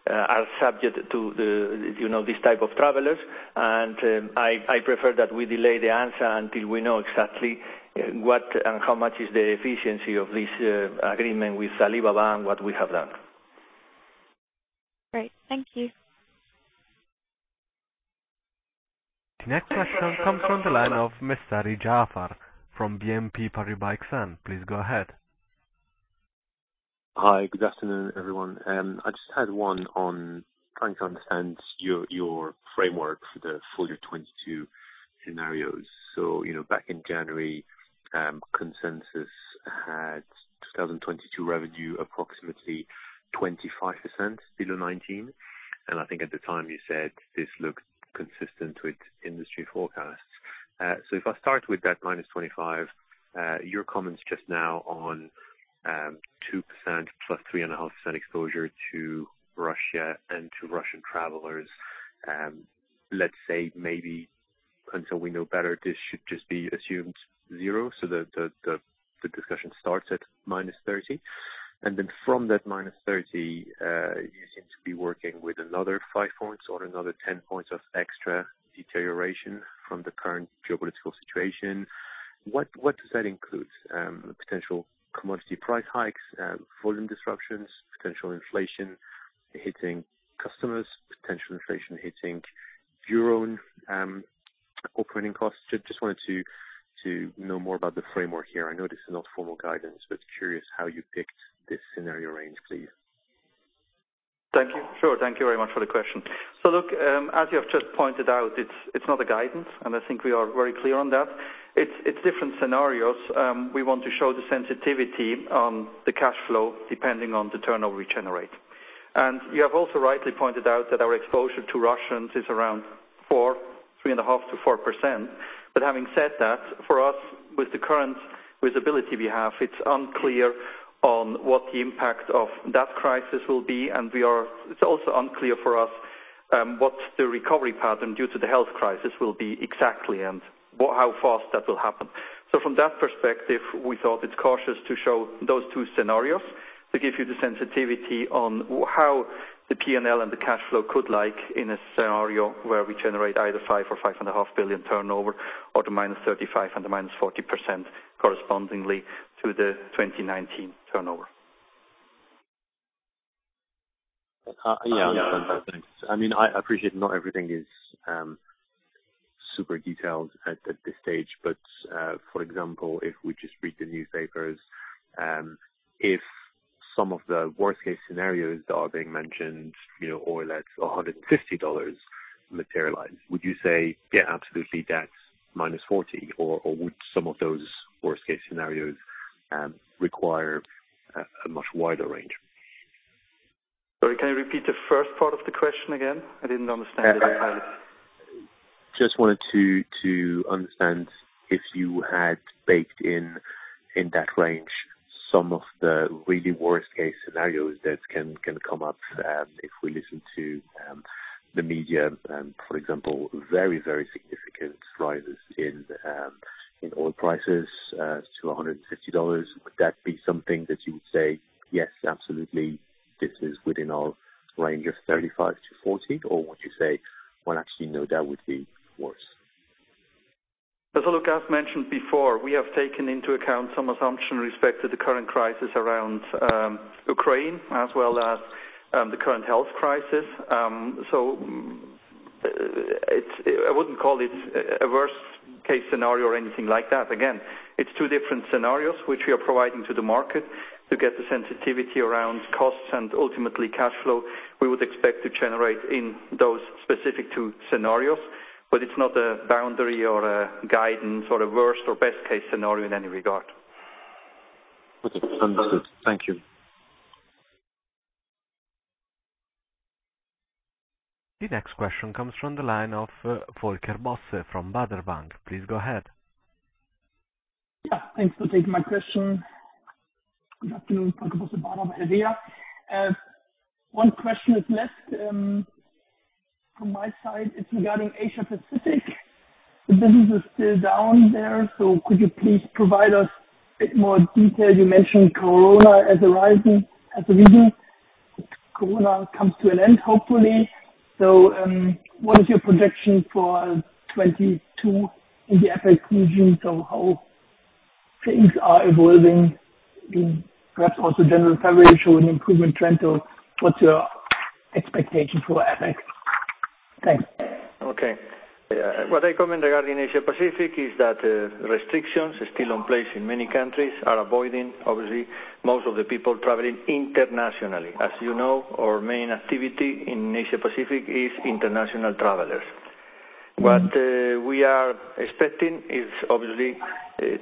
are subject to the, you know, these type of travelers. I prefer that we delay the answer until we know exactly what and how much is the efficiency of this agreement with Alibaba and what we have done. Great. Thank you. The next question comes from the line of Mr. Jaafar Mestari from BNP Paribas Exane. Please go ahead. Hi. Good afternoon, everyone. I just had one on trying to understand your framework for the full year 2022 scenarios. You know, back in January, consensus had 2022 revenue approximately 25% below 2019. I think at the time you said this looks consistent with industry forecasts. If I start with that -25%, your comments just now on 2% + 3.5% exposure to Russia and to Russian travelers, let's say maybe until we know better, this should just be assumed zero so that the discussion starts at -30%. Then from that -30%, you seem to be working with another 5 points or another 10 points of extra deterioration from the current geopolitical situation. What does that include? Potential commodity price hikes, volume disruptions, potential inflation hitting customers, potential inflation hitting your own operating costs? Just wanted to know more about the framework here. I know this is not formal guidance, but curious how you picked this scenario range, please. Thank you. Sure. Thank you very much for the question. Look, as you have just pointed out, it's not a guidance, and I think we are very clear on that. It's different scenarios. We want to show the sensitivity on the cash flow depending on the turnover we generate. You have also rightly pointed out that our exposure to Russians is around 4, 3.5%-4%. Having said that, for us, with the current visibility we have, it's unclear on what the impact of that crisis will be. It's also unclear for us what the recovery pattern due to the health crisis will be exactly and what, how fast that will happen. From that perspective, we thought it's cautious to show those two scenarios to give you the sensitivity on how the P&L and the cash flow could look in a scenario where we generate either 5 billion or 5.5 billion turnover or -35% and -40% correspondingly to the 2019 turnover. Yeah. I mean, I appreciate not everything is super detailed at this stage. For example, if we just read the newspapers, if some of the worst case scenarios that are being mentioned, you know, oil at $150 materialize, would you say, Yeah, absolutely, that's -40, or would some of those worst case scenarios require a much wider range? Sorry, can you repeat the first part of the question again? I didn't understand it entirely. Just wanted to understand if you had baked in that range some of the really worst case scenarios that can come up, if we listen to the media, for example, very significant rises in oil prices to $150. Would that be something that you would say, Yes, absolutely, this is within our range of 35%-40%, or would you say, well, actually, no, that would be worse? Look, I've mentioned before, we have taken into account some assumptions with respect to the current crisis around Ukraine as well as the current health crisis. It's. I wouldn't call it a worst case scenario or anything like that. Again, it's two different scenarios which we are providing to the market to get the sensitivity around costs and ultimately cash flow we would expect to generate in those specific two scenarios, but it's not a boundary or a guidance or a worst or best case scenario in any regard. Okay. Understood. Thank you. The next question comes from the line of Volker Bosse from Baader Bank. Please go ahead. Yeah. Thanks for taking my question. Good afternoon. Volker Bosse, Baader. How are you? One question is left from my side. It's regarding Asia Pacific. The business is still down there, so could you please provide us a bit more detail? You mentioned Corona as arising as a reason. Corona comes to an end, hopefully. What is your projection for 2022 in the APAC region? How things are evolving in perhaps also general February showing improvement trend, or what's your expectation for APAC? Thanks. Okay. What I comment regarding Asia Pacific is that restrictions still in place in many countries are avoiding obviously most of the people traveling internationally. As you know, our main activity in Asia Pacific is international travelers. What we are expecting is obviously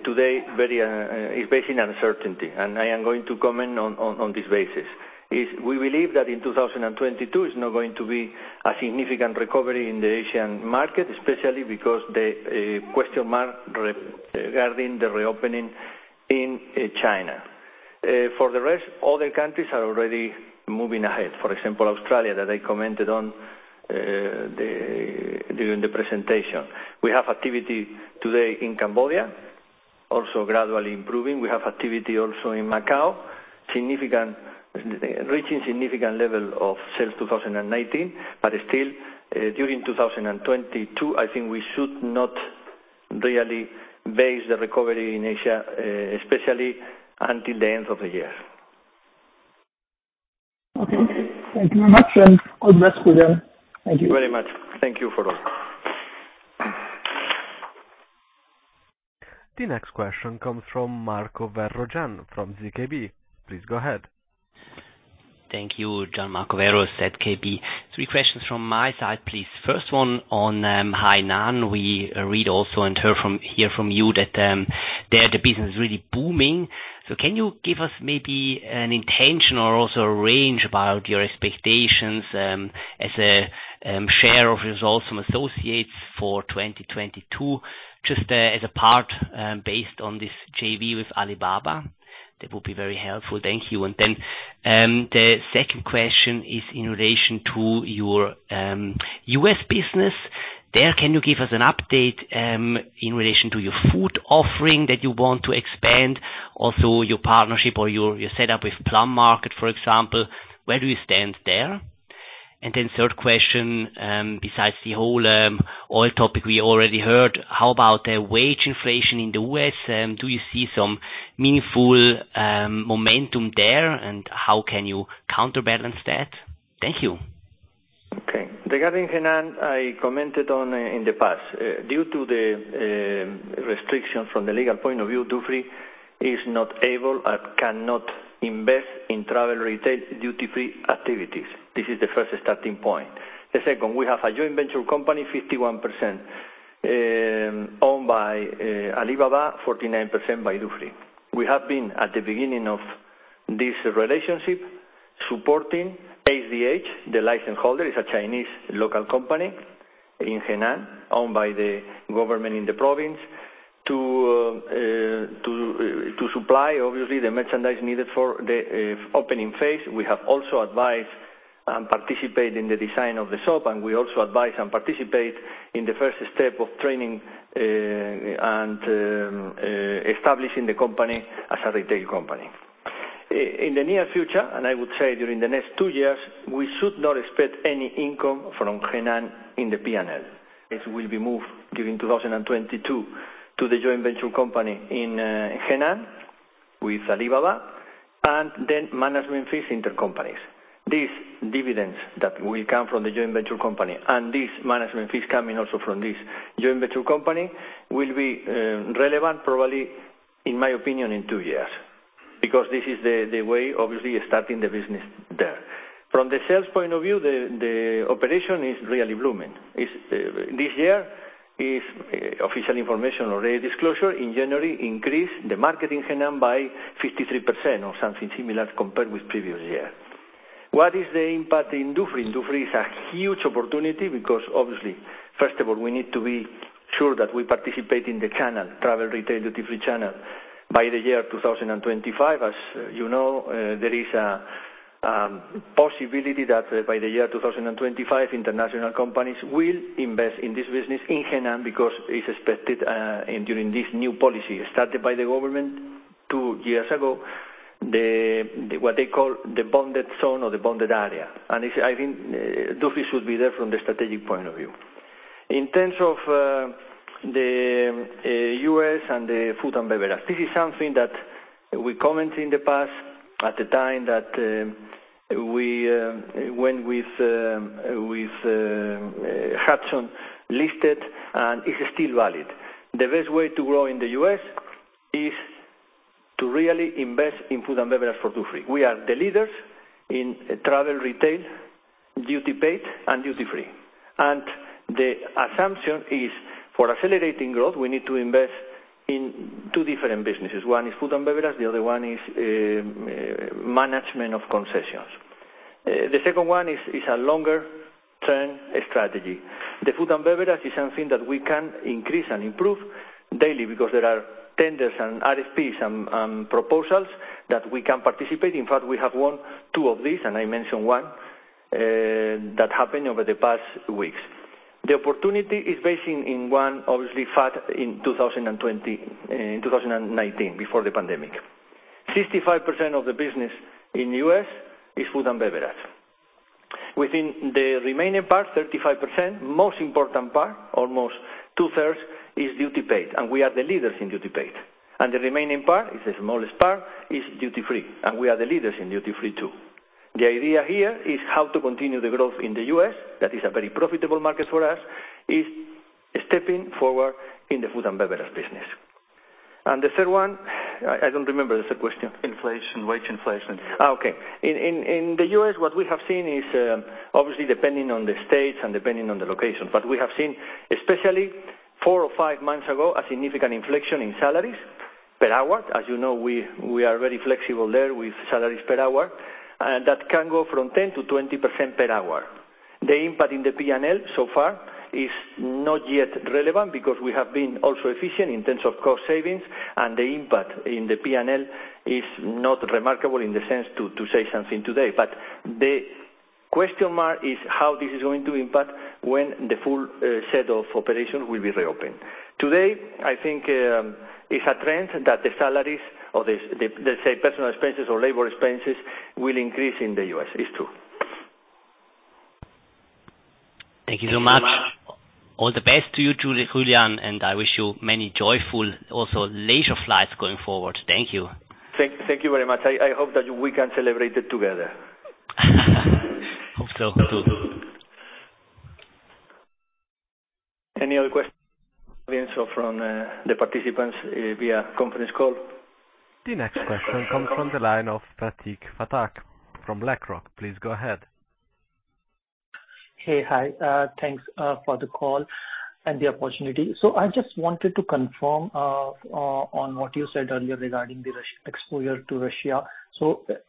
today very uncertain, and I am going to comment on this basis. We believe that in 2022, it's not going to be a significant recovery in the Asian market, especially because the question mark regarding the reopening. In China. For the rest, other countries are already moving ahead. For example, Australia, that I commented on, during the presentation. We have activity today in Cambodia, also gradually improving. We have activity also in Macau, reaching significant level of sales, 2019. Still, during 2022, I think we should not really base the recovery in Asia, especially until the end of the year. Okay. Thank you very much, and all the best with you. Thank you. Very much. Thank you for all. The next question comes from Gian Marco Werro from ZKB. Please go ahead. Thank you. Gian Marco Werro, ZKB. Three questions from my side, please. First one on Hainan. We read also and heard from you that there the business is really booming. Can you give us maybe an intention or also a range about your expectations as a share of results from associates for 2022, just as a part based on this JV with Alibaba? That would be very helpful. Thank you. The second question is in relation to your U.S. business. There, can you give us an update in relation to your food offering that you want to expand, also your partnership or your setup with Plum Market, for example? Where do you stand there? Third question, besides the whole oil topic we already heard, how about the wage inflation in the West? Do you see some meaningful momentum there, and how can you counterbalance that? Thank you. Okay. Regarding Hainan, I commented on in the past. Due to the restriction from the legal point of view, Dufry is not able and cannot invest in travel retail duty-free activities. This is the first starting point. The second, we have a joint venture company, 51% owned by Alibaba, 49% by Dufry. We have been at the beginning of this relationship, supporting AZH, the license holder. It's a Chinese local company in Hainan, owned by the government in the province, to supply, obviously, the merchandise needed for the opening phase. We have also advised and participate in the design of the shop, and we also advise and participate in the first step of training and establishing the company as a retail company. In the near future, and I would say during the next two years, we should not expect any income from Hainan in the P&L. It will be moved during 2022 to the joint venture company in Hainan with Alibaba, and then intercompany management fees. These dividends that will come from the joint venture company and these management fees coming also from this joint venture company will be relevant probably, in my opinion, in two years, because this is the way, obviously, starting the business there. From the sales point of view, the operation is really blooming. This year, official information or a disclosure in January increase in the market in Hainan by 53% or something similar compared with the previous year. What is the impact in Dufry? Dufry is a huge opportunity because obviously, first of all, we need to be sure that we participate in the channel, travel retail duty-free channel. By 2025, as you know, there is a possibility that by 2025, international companies will invest in this business in Hainan because it's expected during this new policy started by the government two years ago, what they call the bonded zone or the bonded area. I think Dufry should be there from the strategic point of view. In terms of the U.S. and the food and beverage, this is something that we commented in the past at the time that Hudson listed, and it's still valid. The best way to grow in the U.S. is to really invest in food and beverage for Dufry. We are the leaders in travel retail, duty paid and duty-free. The assumption is, for accelerating growth, we need to invest in two different businesses. One is food and beverage, the other one is management of concessions. The second one is a longer-term strategy. The food and beverage is something that we can increase and improve daily because there are tenders and RFPs and proposals that we can participate. In fact, we have won two of these, and I mentioned one that happened over the past weeks. The opportunity is based in one obvious fact in 2019, before the pandemic. 65% of the business in the U.S. is food and beverage. Within the remaining part, 35%, most important part, almost two-thirds, is duty paid, and we are the leaders in duty paid. The remaining part is the smallest part, is duty-free, and we are the leaders in duty-free, too. The idea here is how to continue the growth in the U.S., that is a very profitable market for us, is stepping forward in the food and beverage business. The third one, I don't remember the third question. Inflation, wage inflation. Oh, okay. In the U.S., what we have seen is obviously depending on the states and depending on the location, but we have seen, especially four or five months ago, a significant inflection in salaries per hour. As you know, we are very flexible there with salaries per hour, and that can go from 10%-20% per hour. The impact in the P&L so far is not yet relevant because we have been also efficient in terms of cost savings, and the impact in the P&L is not remarkable in the sense to say something today. The question mark is how this is going to impact when the full set of operations will be reopened. Today, I think it's a trend that the salaries or the, let's say, personal expenses or labor expenses will increase in the U.S. It's true. Thank you so much. All the best to you, Julián, and I wish you many joyful also leisure flights going forward. Thank you. Thank you very much. I hope that we can celebrate it together. Hope so too. Any other questions from the participants via conference call? The next question comes from the line of Pratik Patel from BlackRock. Please go ahead. Hey. Hi. Thanks for the call and the opportunity. I just wanted to confirm on what you said earlier regarding the exposure to Russia.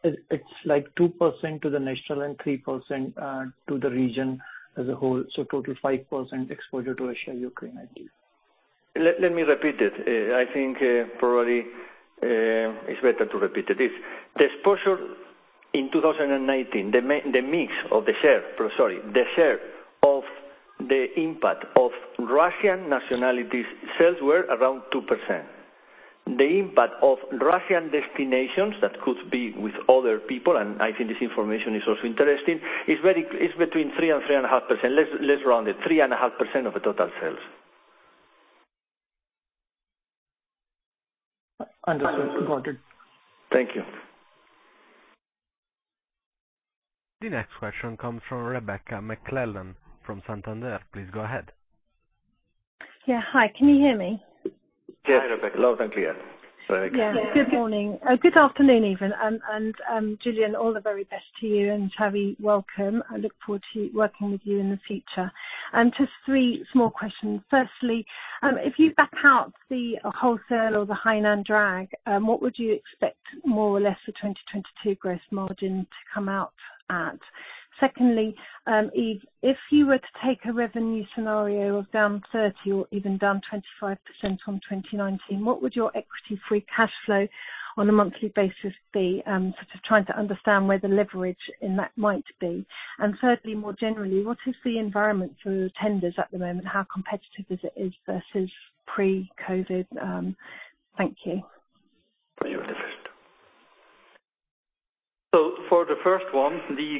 It's like 2% to the natural and 3% to the region as a whole, total 5% exposure to Russia and Ukraine, I guess. Let me repeat it. I think probably it's better to repeat it. The exposure in 2019, the mix of the share of the impact of Russian nationals sales were around 2%. The impact of Russian destinations that could be with other people, and I think this information is also interesting, is between 3% and 3.5%. Let's round it. 3.5% of the total sales. Understood. Got it. Thank you. The next question comes from Rebecca McClellan from Santander. Please go ahead. Yeah. Hi, can you hear me? Yes, Rebecca. Loud and clear. Yeah. Good morning, good afternoon even. Julián, all the very best to you, and Xavi, welcome. I look forward to working with you in the future. Just three small questions. Firstly, if you back out the wholesale or the Hainan drag, what would you expect more or less for 2022 gross margin to come out at? Secondly, if you were to take a revenue scenario of down 30% or even down 25% from 2019, what would your equity free cash flow on a monthly basis be? Sort of trying to understand where the leverage in that might be. Thirdly, more generally, what is the environment for tenders at the moment? How competitive is it versus pre-COVID? Thank you. For you, Yves. For the first one, the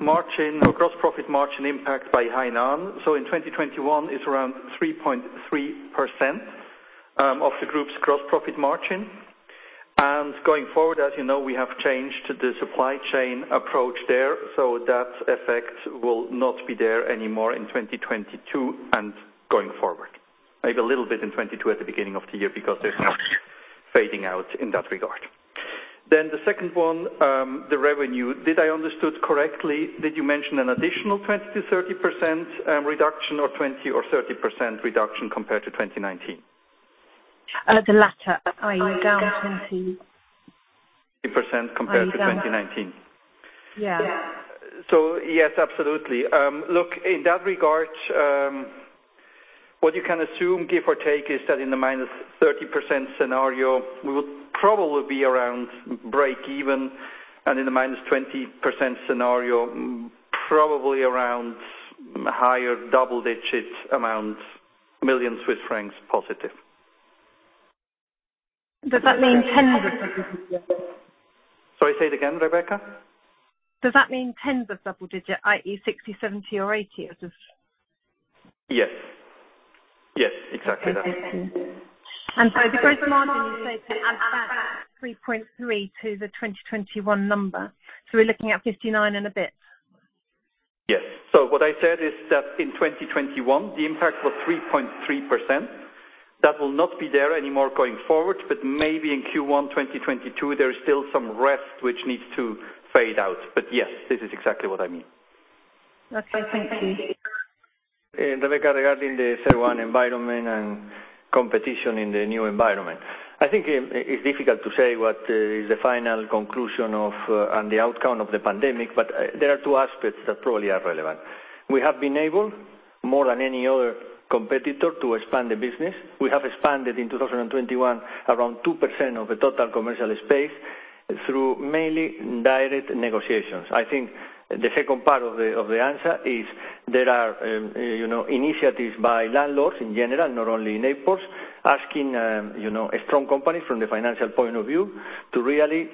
margin or gross profit margin impact by Hainan. In 2021, it's around 3.3% of the group's gross profit margin. Going forward, as you know, we have changed the supply chain approach there, so that effect will not be there anymore in 2022 and going forward. Maybe a little bit in 2022 at the beginning of the year because there's some fading out in that regard. The second one, the revenue. Did I understood correctly? Did you mention an additional 20%-30% reduction or 20% or 30% reduction compared to 2019? The latter, i.e. down 20. 30% compared to 2019. Yeah. Yes, absolutely. Look, in that regard, what you can assume, give or take, is that in the -30% scenario, we would probably be around break even, and in the -20% scenario, probably around higher double-digit million CHF positive. Does that mean 10. Sorry, say it again, Rebecca. Does that mean tens of double digit, i.e., 60, 70, or 80? Or just. Yes. Yes, exactly that. Okay. The gross margin, you said to add back 3.3 to the 2021 number. We're looking at 59% and a bit. Yes. What I said is that in 2021, the impact was 3.3%. That will not be there anymore going forward, but maybe in Q1 2022, there is still some rest which needs to fade out. Yes, this is exactly what I mean. That's perfect. Thank you. Rebecca, regarding the sales environment and competition in the new environment. I think it's difficult to say what is the final conclusion of and the outcome of the pandemic, but there are two aspects that probably are relevant. We have been able, more than any other competitor, to expand the business. We have expanded in 2021 around 2% of the total commercial space through mainly direct negotiations. I think the second part of the answer is there are, you know, initiatives by landlords in general, not only in airports, asking, you know, a strong company from the financial point of view to really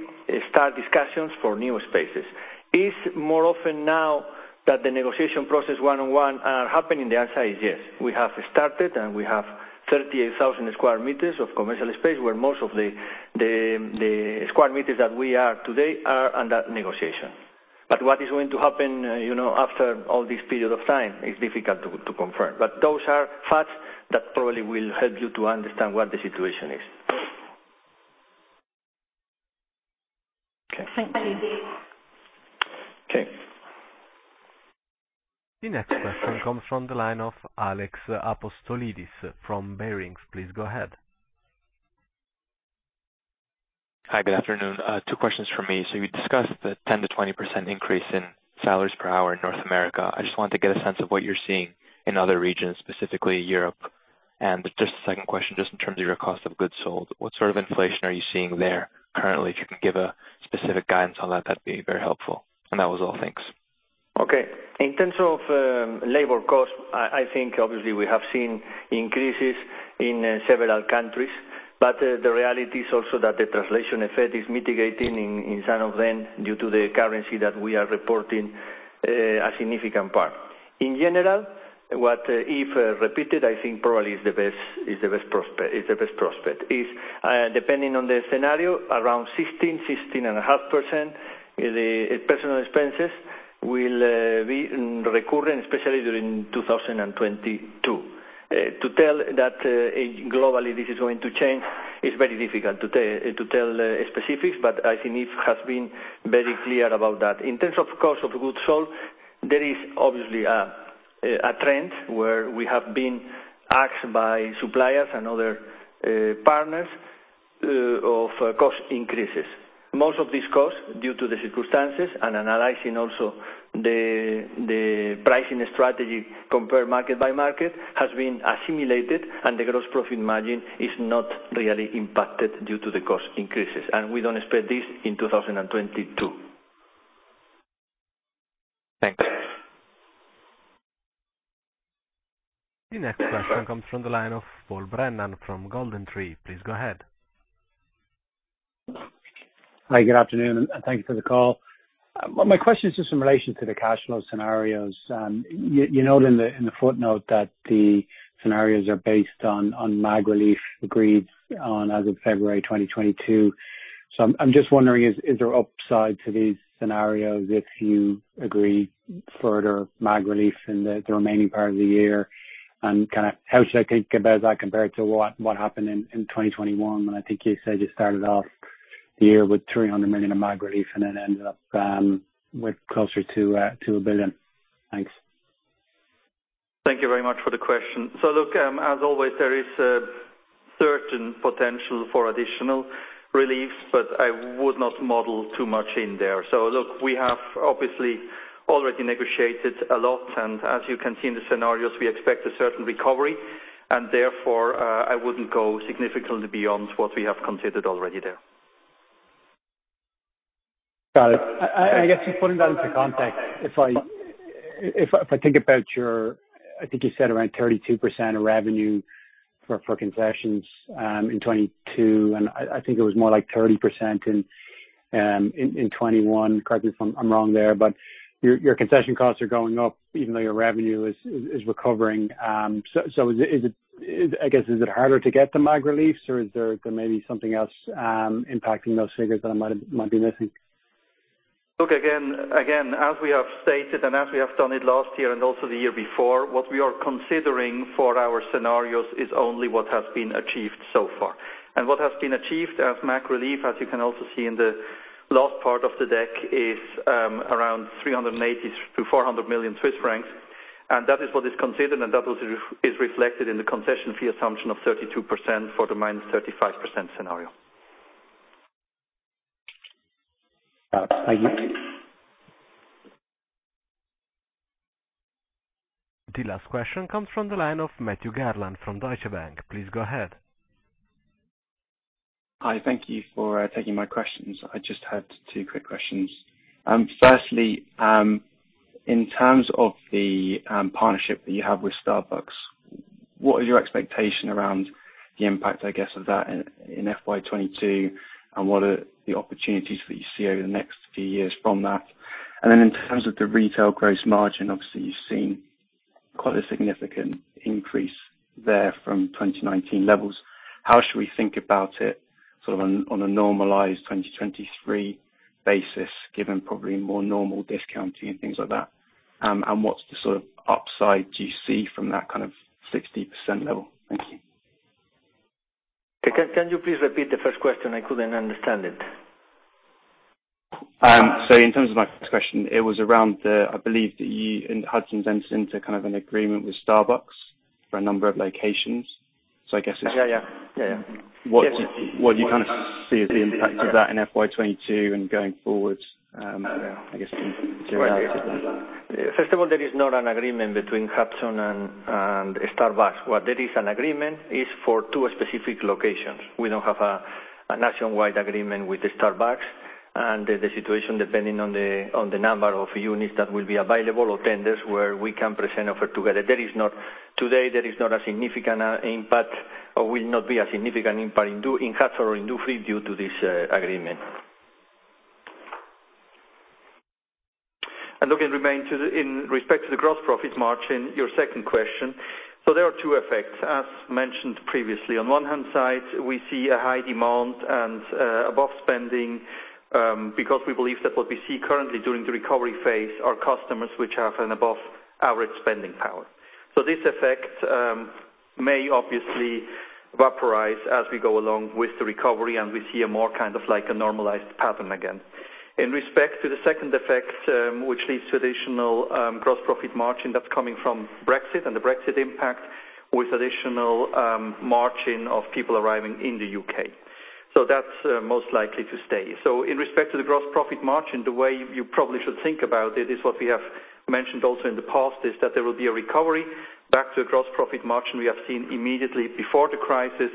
start discussions for new spaces. It's more often now that the negotiation process one-on-one are happening? The answer is yes. We have started, and we have 38,000 sq m of commercial space where most of the sq m that we are today are under negotiation. What is going to happen, you know, after all this period of time is difficult to confirm. Those are facts that probably will help you to understand what the situation is. Okay. Thank you. Okay. The next question comes from the line of Alex Apostolides from Barings. Please go ahead. Hi, good afternoon. Two questions from me. You discussed the 10%-20% increase in salaries per hour in North America. I just wanted to get a sense of what you're seeing in other regions, specifically Europe. Just a second question, just in terms of your cost of goods sold, what sort of inflation are you seeing there currently? If you can give a specific guidance on that'd be very helpful. That was all. Thanks. Okay. In terms of labor cost, I think obviously we have seen increases in several countries, but the reality is also that the translation effect is mitigating in some of them due to the currency that we are reporting a significant part. In general, what is repeated, I think probably is the best prospect, depending on the scenario, around 16-16.5%, the personnel expenses will be recurring, especially during 2022. To tell that globally, this is going to change, it's very difficult to tell specifics, but I think it has been very clear about that. In terms of cost of goods sold, there is obviously a trend where we have been asked by suppliers and other partners of cost increases. Most of these costs, due to the circumstances and analyzing also the pricing strategy compared market by market, has been assimilated and the gross profit margin is not really impacted due to the cost increases. We don't expect this in 2022. Thanks. The next question comes from the line of Paul Brennan from GoldenTree. Please go ahead. Hi, good afternoon, and thank you for the call. My question is just in relation to the cash flow scenarios. You note in the footnote that the scenarios are based on MAG relief agreed on as of February 2022. I'm just wondering, is there upside to these scenarios if you agree further MAG relief in the remaining part of the year? Kinda how should I think about that compared to what happened in 2021, when I think you said you started off the year with 300 million in MAG relief and then ended up with closer to a billion? Thanks. Thank you very much for the question. Look, as always, there is a certain potential for additional relief, but I would not model too much in there. Look, we have obviously already negotiated a lot, and as you can see in the scenarios, we expect a certain recovery and therefore, I wouldn't go significantly beyond what we have considered already there. Got it. I guess just putting that into context, if I think about your, I think you said around 32% of revenue for concessions in 2022, and I think it was more like 30% in 2021. Correct me if I'm wrong there, but your concession costs are going up even though your revenue is recovering. Is it harder to get the MAG reliefs or is there maybe something else impacting those figures that I might be missing? Look, again, as we have stated, and as we have done it last year and also the year before, what we are considering for our scenarios is only what has been achieved so far. What has been achieved as MAG relief, as you can also see in the last part of the deck, is around 380 million-400 million Swiss francs, and that is what is considered and that was reflected in the concession fee assumption of 32% for the -35% scenario. Got it. Thank you. The last question comes from the line of Matthew Garland from Deutsche Bank. Please go ahead. Hi, thank you for taking my questions. I just had two quick questions. Firstly, in terms of the partnership that you have with Starbucks, what is your expectation around the impact, I guess, of that in FY2022, and what are the opportunities that you see over the next few years from that? In terms of the retail gross margin, obviously you've seen quite a significant increase there from 2019 levels. How should we think about it sort of on a normalized 2023 basis, given probably more normal discounting and things like that? What's the sort of upside do you see from that kind of 60% level? Thank you. Can you please repeat the first question? I couldn't understand it. In terms of my first question, it was around the, I believe that you and Hudson entered into kind of an agreement with Starbucks for a number of locations. I guess it's Yeah, yeah. Yeah, yeah. What do you kinda see as the impact of that in FY2022 and going forward? I guess in general. First of all, there is not an agreement between Hudson and Starbucks. Where there is an agreement is for two specific locations. We don't have a nationwide agreement with Starbucks and the situation depending on the number of units that will be available or tenders where we can present offer together. Today, there is not a significant impact or will not be a significant impact in Dufry or in Hudson due to this agreement. Look, in respect to the gross profit margin, your second question. There are two effects. As mentioned previously, on one hand side, we see a high demand and above spending, because we believe that what we see currently during the recovery phase are customers which have an above-average spending power. This effect may obviously vaporize as we go along with the recovery, and we see a more kind of like a normalized pattern again. In respect to the second effect, which leads to additional gross profit margin, that's coming from Brexit and the Brexit impact with additional margin of people arriving in the U.K. That's most likely to stay. In respect to the gross profit margin, the way you probably should think about it is what we have mentioned also in the past, is that there will be a recovery back to the gross profit margin we have seen immediately before the crisis,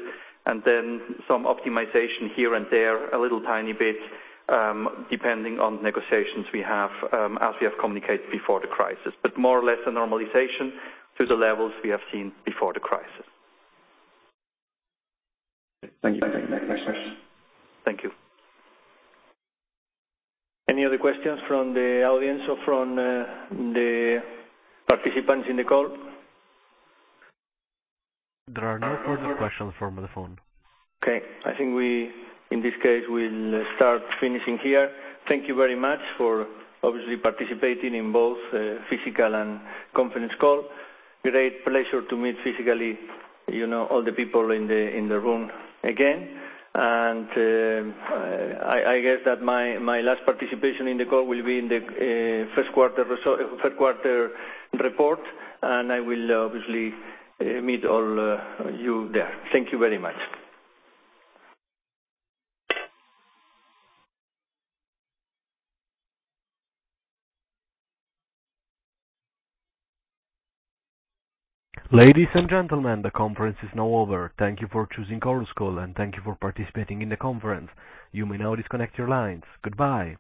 and then some optimization here and there, a little tiny bit, depending on negotiations we have, as we have communicated before the crisis. More or less a normalization to the levels we have seen before the crisis. Thank you. Thank you. Any other questions from the audience or from the participants in the call? There are no further questions from the phone. Okay. I think we, in this case, will start finishing here. Thank you very much for obviously participating in both physical and conference call. Great pleasure to meet physically, you know, all the people in the room again. I guess that my last participation in the call will be in the third quarter report, and I will obviously meet all you there. Thank you very much. Ladies and gentlemen, the conference is now over. Thank you for choosing Conference Call, and thank you for participating in the conference. You may now disconnect your lines. Goodbye.